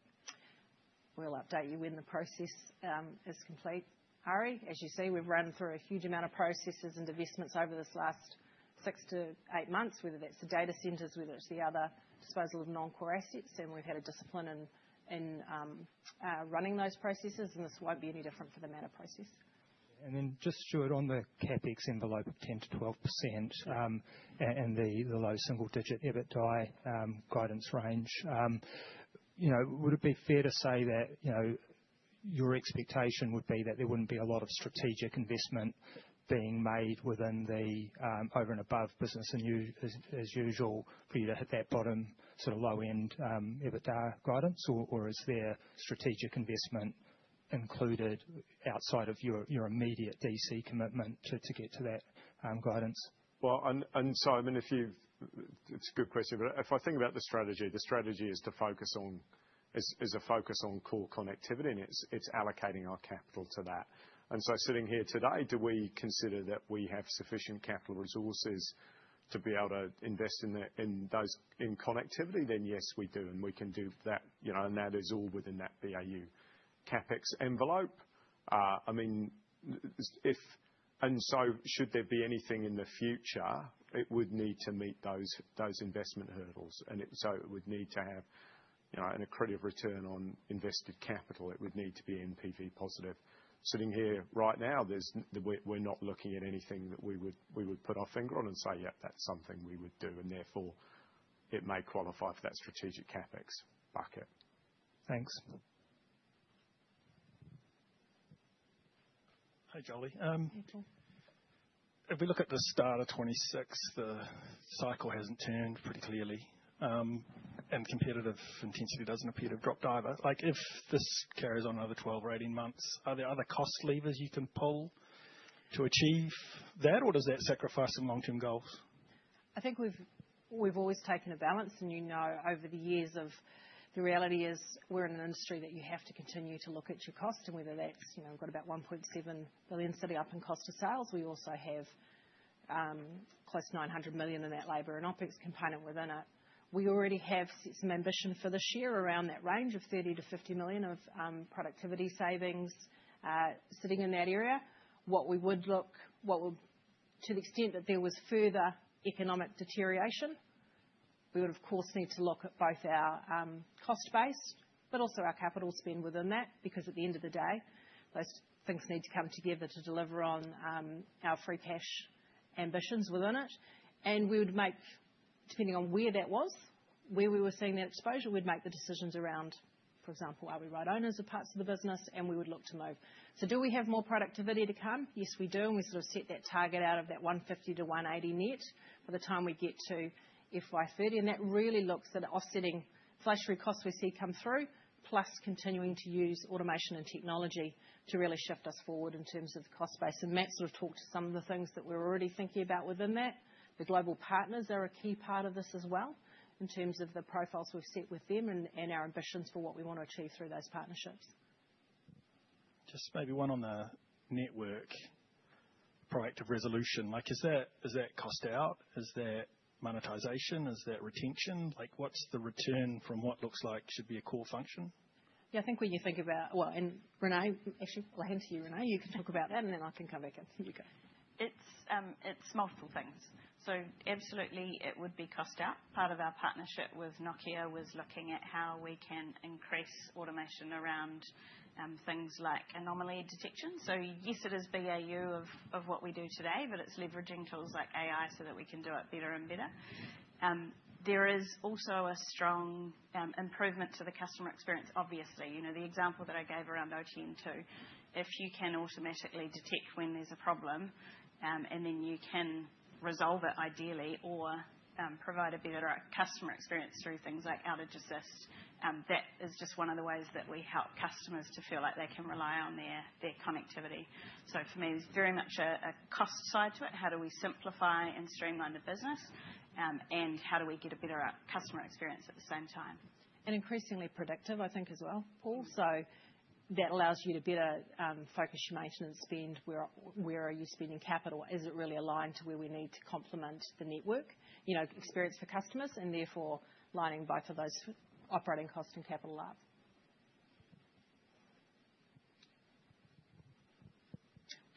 [SPEAKER 2] We'll update you when the process is complete. Arie, as you see, we've run through a huge amount of processes and divestments over this last six to eight months, whether that's the data centres, whether it's the other disposal of non-core assets, and we've had a discipline in running those processes, and this won't be any different for the MATTR process.
[SPEAKER 8] And then just Stewart on the CapEx envelope of 10%-12% and the low single-digit EBITDA guidance range, would it be fair to say that your expectation would be that there wouldn't be a lot of strategic investment being made within the over and above business as usual for you to hit that bottom sort of low-end EBITDA guidance? Or is there strategic investment included outside of your immediate DC commitment to get to that guidance?
[SPEAKER 7] And so I mean, it's a good question. But if I think about the strategy, the strategy is to focus on core connectivity. And it's allocating our capital to that. And so sitting here today, do we consider that we have sufficient capital resources to be able to invest in connectivity? Then yes, we do. And we can do that. And that is all within that BAU CapEx envelope. I mean, and so should there be anything in the future, it would need to meet those investment hurdles. And so it would need to have an accredited return on invested capital. It would need to be NPV positive. Sitting here right now, we're not looking at anything that we would put our finger on and say, "Yep, that's something we would do." And therefore, it may qualify for that strategic CapEx bucket.
[SPEAKER 8] Thanks. Hi, Jolie.
[SPEAKER 2] Hey, Tom. If we look at the start of 2026, the cycle hasn't turned pretty clearly, and competitive intensity doesn't appear to have dropped either. If this carries on another 12 or 18 months, are there other cost levers you can pull to achieve that, or does that sacrifice some long-term goals? I think we've always taken a balance, and you know over the years the reality is we're in an industry that you have to continue to look at your cost. And whether that's we've got about 1.7 billion sitting up in cost of sales. We also have close to 900 million in that labour and OpEx component within it. We already have some ambition for this year around that range of 30-50 million of productivity savings sitting in that area. What we would look to the extent that there was further economic deterioration, we would, of course, need to look at both our cost base, but also our capital spend within that. Because at the end of the day, those things need to come together to deliver on our free cash ambitions within it. And we would make, depending on where that was, where we were seeing that exposure, we'd make the decisions around, for example, are we right owners of parts of the business? And we would look to move. So do we have more productivity to come? Yes, we do. And we sort of set that target out of that 150-180 net by the time we get to FY30. And that really looks at offsetting flash recosts we see come through, plus continuing to use automation and technology to really shift us forward in terms of the cost base. And Matt sort of talked to some of the things that we're already thinking about within that. The global partners are a key part of this as well in terms of the profiles we've set with them and our ambitions for what we want to achieve through those partnerships. Just maybe one on the network proactive resolution. Is that cost out? Is that monetization? Is that retention? What's the return from what looks like should be a core function? Yeah. I think when you think about well, and Renee, actually, I'll hand to you, Renee. You can talk about that. And then I can come back and you go.
[SPEAKER 5] It's multiple things. So absolutely, it would be cost out. Part of our partnership with Nokia was looking at how we can increase automation around things like anomaly detection. So yes, it is BAU of what we do today, but it's leveraging tools like AI so that we can do it better and better. There is also a strong improvement to the customer experience, obviously. The example that I gave around OTN 2, if you can automatically detect when there's a problem and then you can resolve it ideally or provide a better customer experience through things like Outage Assist, that is just one of the ways that we help customers to feel like they can rely on their connectivity. So for me, there's very much a cost side to it. How do we simplify and streamline the business? How do we get a better customer experience at the same time?
[SPEAKER 2] Increasingly predictive, I think, as well, Paul. So that allows you to better focus your maintenance spend. Where are you spending capital? Is it really aligned to where we need to complement the network experience for customers? And therefore, lining both of those operating costs and capital up.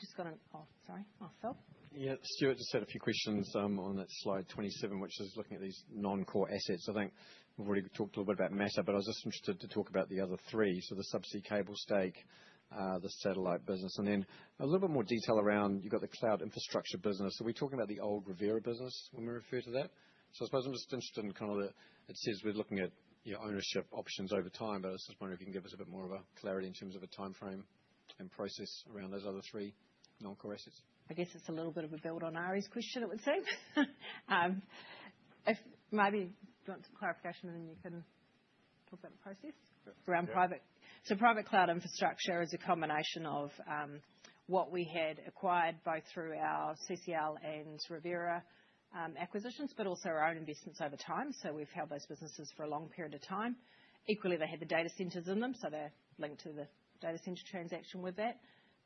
[SPEAKER 2] Just got an oh, sorry. I fell.
[SPEAKER 10] Yeah. Stewart just had a few questions on that slide 27, which is looking at these non-core assets. I think we've already talked a little bit about MATTR, but I was just interested to talk about the other three. So the subsea cable stake, the satellite business. And then a little bit more detail around. You've got the cloud infrastructure business. Are we talking about the old Revera business when we refer to that? So I suppose I'm just interested in kind of the. It says we're looking at ownership options over time. But I just wonder if you can give us a bit more of a clarity in terms of a timeframe and process around those other three non-core assets.
[SPEAKER 2] I guess it's a little bit of a build on Arie's question, it would seem. If maybe you want some clarification, then you can talk about the process around private. So private cloud infrastructure is a combination of what we had acquired both through our CCL and Revera acquisitions, but also our own investments over time. So we've held those businesses for a long period of time. Equally, they had the data centres in them. So they're linked to the data centre transaction with that.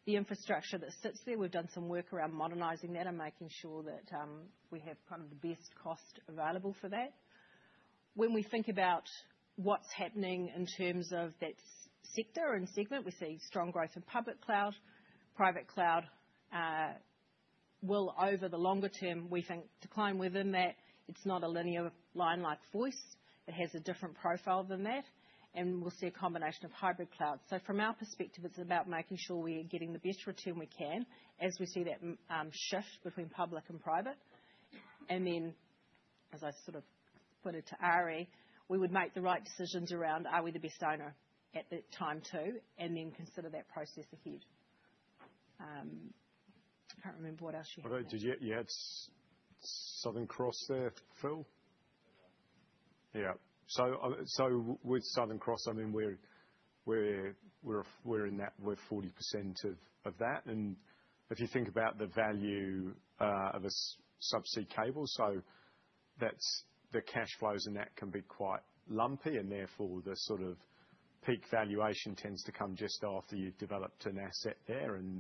[SPEAKER 2] The infrastructure that sits there, we've done some work around modernizing that and making sure that we have kind of the best cost available for that. When we think about what's happening in terms of that sector and segment, we see strong growth in public cloud, private cloud. Well, over the longer term, we think decline within that. It's not a linear line like voice. It has a different profile than that, and we'll see a combination of hybrid clouds. So from our perspective, it's about making sure we are getting the best return we can as we see that shift between public and private, and then, as I sort of put it to Arie, we would make the right decisions around, are we the best owner at that time too? And then consider that process ahead. I can't remember what else you had.
[SPEAKER 7] Did you add Southern Cross there, Phil?
[SPEAKER 10] Yeah.
[SPEAKER 7] So with Southern Cross, I mean, we're in that, we're 40% of that. And if you think about the value of a subsea cable, the cash flows in that can be quite lumpy. And therefore, the sort of peak valuation tends to come just after you've developed an asset there. And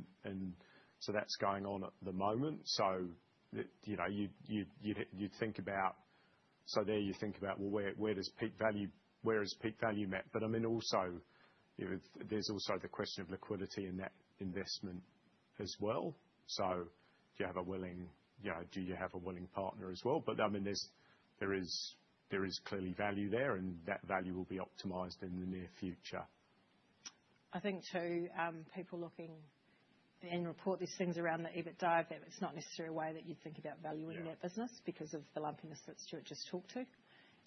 [SPEAKER 7] so that's going on at the moment. You'd think about where peak value is met. But I mean, there's also the question of liquidity in that investment as well. So do you have a willing partner as well? But I mean, there is clearly value there. And that value will be optimized in the near future.
[SPEAKER 2] I think too, people looking and report these things around the EBITDA that it's not necessarily a way that you think about valuing that business because of the lumpiness that Stewart just talked to. If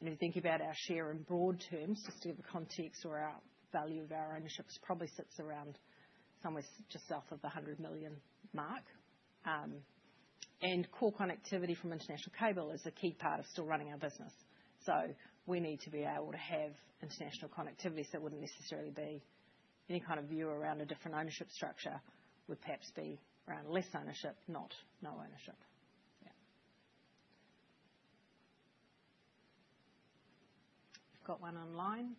[SPEAKER 2] you think about our share in broad terms, just to give the context of our value of our ownership, it probably sits around somewhere just south of the 100 million mark. Core connectivity from international cable is a key part of still running our business. We need to be able to have international connectivity. It wouldn't necessarily be any kind of view around a different ownership structure. It would perhaps be around less ownership, not no ownership. Yeah. We've got one online.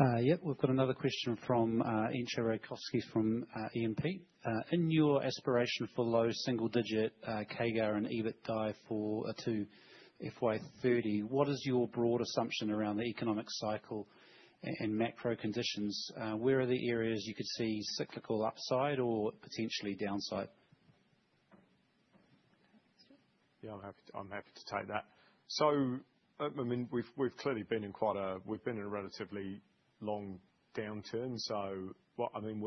[SPEAKER 9] Yep. We've got another question from Entcho Raykovski from Evans and Partners. In your aspiration for low single-digit CAGR and EBITDA for to FY30, what is your broad assumption around the economic cycle and macro conditions? Where are the areas you could see cyclical upside or potentially downside?
[SPEAKER 7] Yeah. I'm happy to take that. So I mean, we've clearly been in quite a relatively long downturn. So I mean,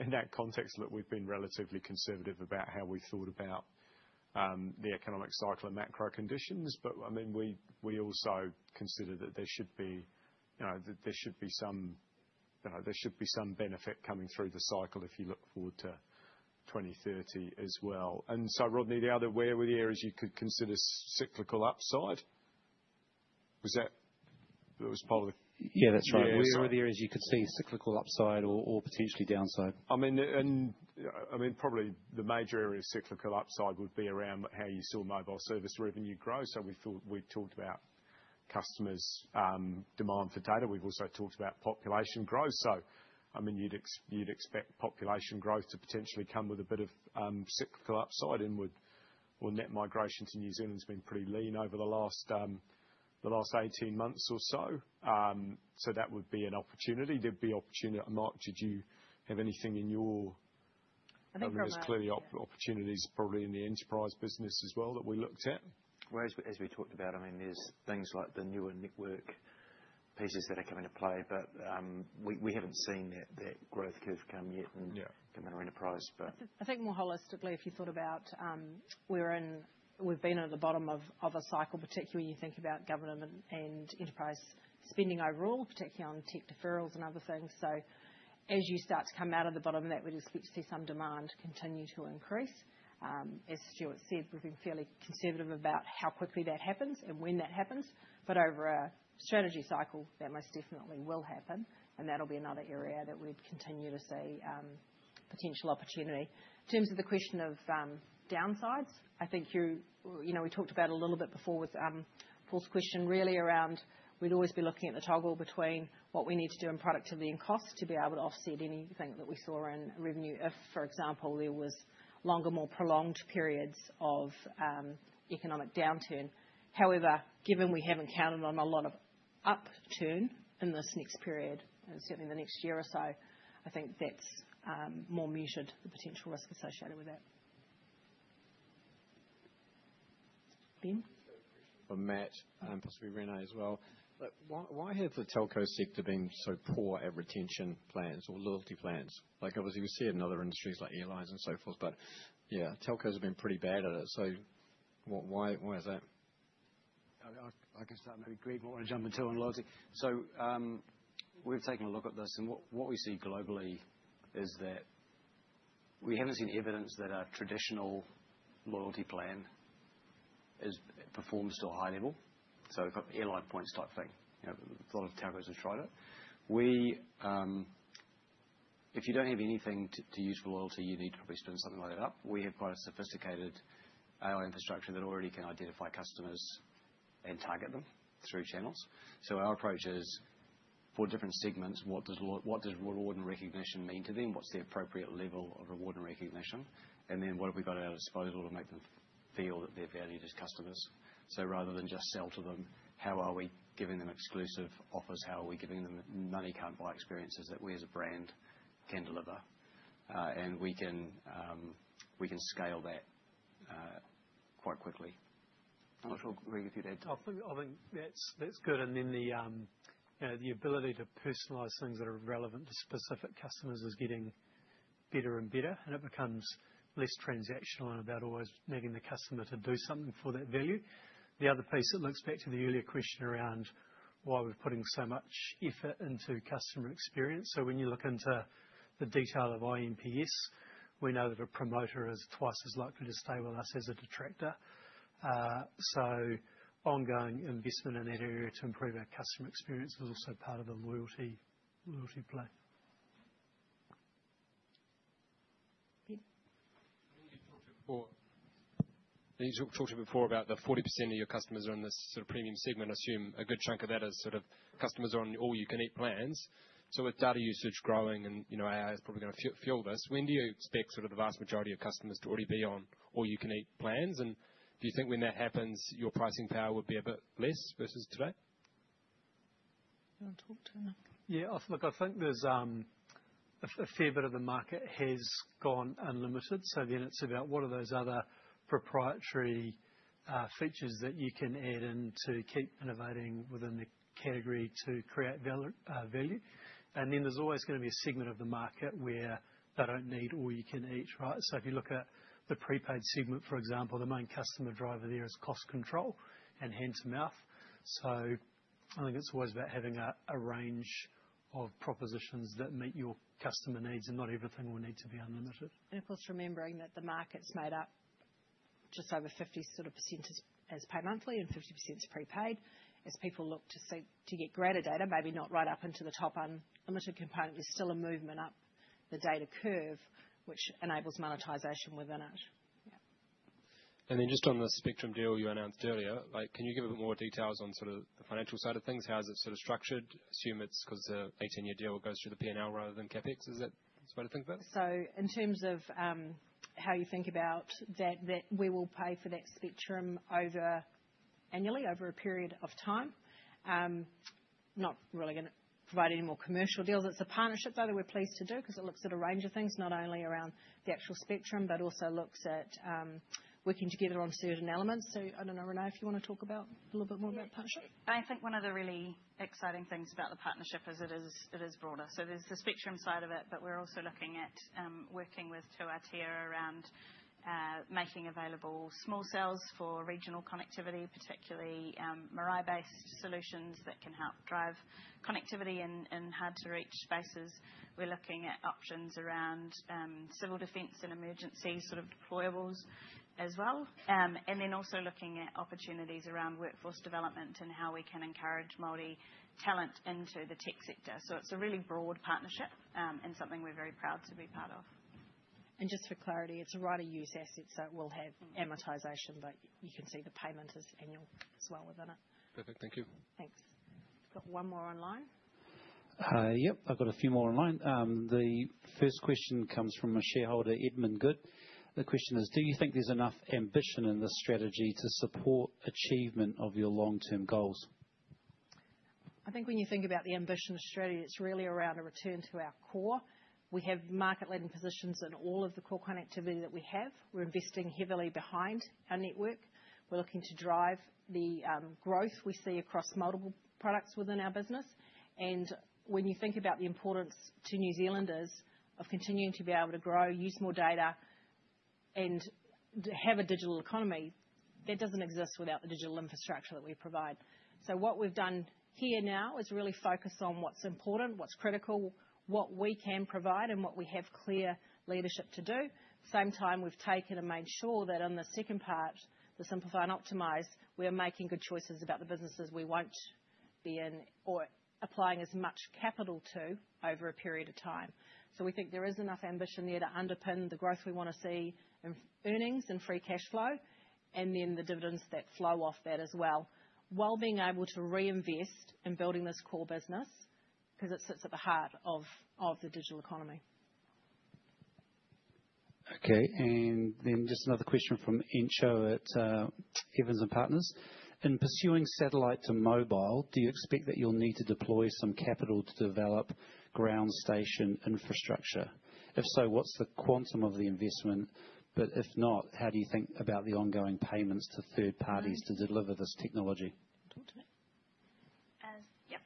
[SPEAKER 7] in that context, look, we've been relatively conservative about how we thought about the economic cycle and macro conditions. But I mean, we also consider that there should be some benefit coming through the cycle if you look forward to 2030 as well. And so, Rodney, the other areas where you'd consider cyclical upside, was that part of the.
[SPEAKER 9] Yeah. That's right. would areas you could see cyclical upside or potentially downside?
[SPEAKER 7] I mean, probably the major area of cyclical upside would be around how you saw mobile service revenue grow. So we talked about customers' demand for data. We've also talked about population growth. So I mean, you'd expect population growth to potentially come with a bit of cyclical upside. And with net migration to New Zealand's been pretty lean over the last 18 months or so. So that would be an opportunity. There'd be opportunity. Mark, did you have anything in your.
[SPEAKER 2] I think we're right.
[SPEAKER 7] There's clearly opportunities probably in the enterprise business as well that we looked at.
[SPEAKER 4] As we talked about, I mean, there's things like the newer network pieces that are coming into play. But we haven't seen that growth curve come yet in the enterprise.
[SPEAKER 2] I think more holistically, if you thought about, we're in, we've been at the bottom of a cycle, particularly when you think about government and enterprise spending overall, particularly on tech deferrals and other things, so as you start to come out of the bottom of that, we'd expect to see some demand continue to increase. As Stewart said, we've been fairly conservative about how quickly that happens and when that happens, but over a strategy cycle, that most definitely will happen, and that'll be another area that we'd continue to see potential opportunity. In terms of the question of downsides, I think we talked about a little bit before with Paul's question really around we'd always be looking at the toggle between what we need to do in productivity and cost to be able to offset anything that we saw in revenue if, for example, there was longer, more prolonged periods of economic downturn. However, given we haven't counted on a lot of upturn in this next period, certainly in the next year or so, I think that's more muted, the potential risk associated with that. Ben. For Matt and possibly Renee as well. Why have the telco sector been so poor at retention plans or loyalty plans? Obviously, we see it in other industries like airlines and so forth. But yeah, telcos have been pretty bad at it. So why is that?
[SPEAKER 6] I can start maybe Greg, what we're going to jump into on loyalty. We've taken a look at this. What we see globally is that we haven't seen evidence that our traditional loyalty plan performs to a high level. Airline points type thing. A lot of telcos have tried it. If you don't have anything to use for loyalty, you need to probably spin something like that up. We have quite a sophisticated AI infrastructure that already can identify customers and target them through channels. Our approach is, for different segments, what does reward and recognition mean to them? What's the appropriate level of reward and recognition? What have we got at our disposal to make them feel that they're valued as customers? Rather than just sell to them, how are we giving them exclusive offers? How are we giving them money-can-buy experiences that we as a brand can deliver? And we can scale that quite quickly. I'm not sure, Greg, if you'd add to that.
[SPEAKER 3] I think that's good. And then the ability to personalise things that are relevant to specific customers is getting better and better. And it becomes less transactional and about always needing the customer to do something for that value. The other piece that links back to the earlier question around why we're putting so much effort into customer experience. So when you look into the detail of iNPS, we know that a promoter is twice as likely to stay with us as a detractor. So ongoing investment in that area to improve our customer experience is also part of the loyalty play. I think you talked to before about the 40% of your customers are in this sort of premium segment. I assume a good chunk of that is sort of customers on all-you-can-eat plans. So with data usage growing and AI is probably going to fuel this, when do you expect sort of the vast majority of customers to already be on all-you-can-eat plans? And do you think when that happens, your pricing power would be a bit less versus today?
[SPEAKER 2] You want to talk to him?
[SPEAKER 4] Yeah. Look, I think there's a fair bit of the market has gone unlimited. So then it's about what are those other proprietary features that you can add in to keep innovating within the category to create value. And then there's always going to be a segment of the market where they don't need all-you-can-eat, right? So if you look at the prepaid segment, for example, the main customer driver there is cost control and hand-to-mouth. So I think it's always about having a range of propositions that meet your customer needs. And not everything will need to be unlimited.
[SPEAKER 2] Of course, remembering that the market's made up just over 50% as pay monthly and 50% as prepaid. As people look to get greater data, maybe not right up into the top unlimited component, there's still a movement up the data curve, which enables monetization within it. Yeah. Just on the spectrum deal you announced earlier, can you give a bit more details on sort of the financial side of things? How is it sort of structured? Assume it's because it's an 18-year deal that goes through the P&L rather than CapEx. Is that the way to think about it? So in terms of how you think about that, we will pay for that spectrum annually over a period of time. Not really going to provide any more commercial deals. It's a partnership, though, that we're pleased to do because it looks at a range of things, not only around the actual spectrum, but also looks at working together on certain elements. So I don't know, Renee, if you want to talk about a little bit more about the partnership.
[SPEAKER 5] I think one of the really exciting things about the partnership is it is broader. So there's the spectrum side of it, but we're also looking at working with Tū Ātea around making available small cells for regional connectivity, particularly Māori-based solutions that can help drive connectivity in hard-to-reach spaces. We're looking at options around civil defence and emergency sort of deployables as well. And then also looking at opportunities around workforce development and how we can encourage Māori talent into the tech sector. So it's a really broad partnership and something we're very proud to be part of.
[SPEAKER 2] Just for clarity, it's a right-of-use asset so it will have amortization, but you can see the payment is annual as well within it. Perfect. Thank you. Thanks. We've got one more online.
[SPEAKER 9] Yep. I've got a few more online. The first question comes from a shareholder, Edmund Good. The question is, do you think there's enough ambition in this strategy to support achievement of your long-term goals?
[SPEAKER 2] I think when you think about the ambition strategy, it's really around a return to our core. We have market-led positions in all of the core connectivity that we have. We're investing heavily behind our network. We're looking to drive the growth we see across multiple products within our business. And when you think about the importance to New Zealanders of continuing to be able to grow, use more data, and have a digital economy, that doesn't exist without the digital infrastructure that we provide. So what we've done here now is really focus on what's important, what's critical, what we can provide, and what we have clear leadership to do. At the same time, we've taken and made sure that in the second part, the simplify and optimize, we are making good choices about the businesses we won't be in or applying as much capital to over a period of time. So we think there is enough ambition there to underpin the growth we want to see in earnings and free cash flow and then the dividends that flow off that as well while being able to reinvest in building this core business because it sits at the heart of the digital economy.
[SPEAKER 9] Okay. And then just another question from Entcho Raykovski at Evans and Partners. In pursuing satellite to mobile, do you expect that you'll need to deploy some capital to develop ground station infrastructure? If so, what's the quantum of the investment? But if not, how do you think about the ongoing payments to third parties to deliver this technology?
[SPEAKER 2] Talk to me.
[SPEAKER 5] Yep.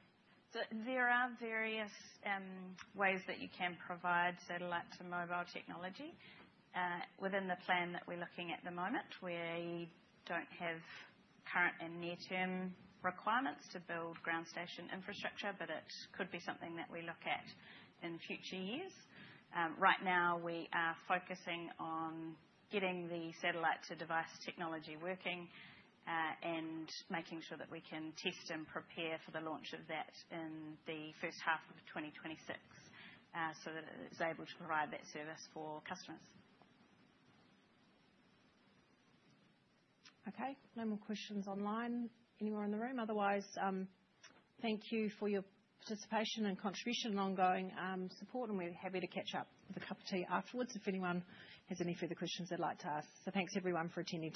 [SPEAKER 5] So there are various ways that you can provide satellite to mobile technology within the plan that we're looking at at the moment. We don't have current and near-term requirements to build ground station infrastructure, but it could be something that we look at in future years. Right now, we are focusing on getting the satellite-to-device technology working and making sure that we can test and prepare for the launch of that in the first half of 2026 so that it is able to provide that service for customers.
[SPEAKER 2] Okay. No more questions online. Anyone in the room? Otherwise, thank you for your participation and contribution and ongoing support. And we're happy to catch up with a cup of tea afterwards if anyone has any further questions they'd like to ask. So thanks, everyone, for attending.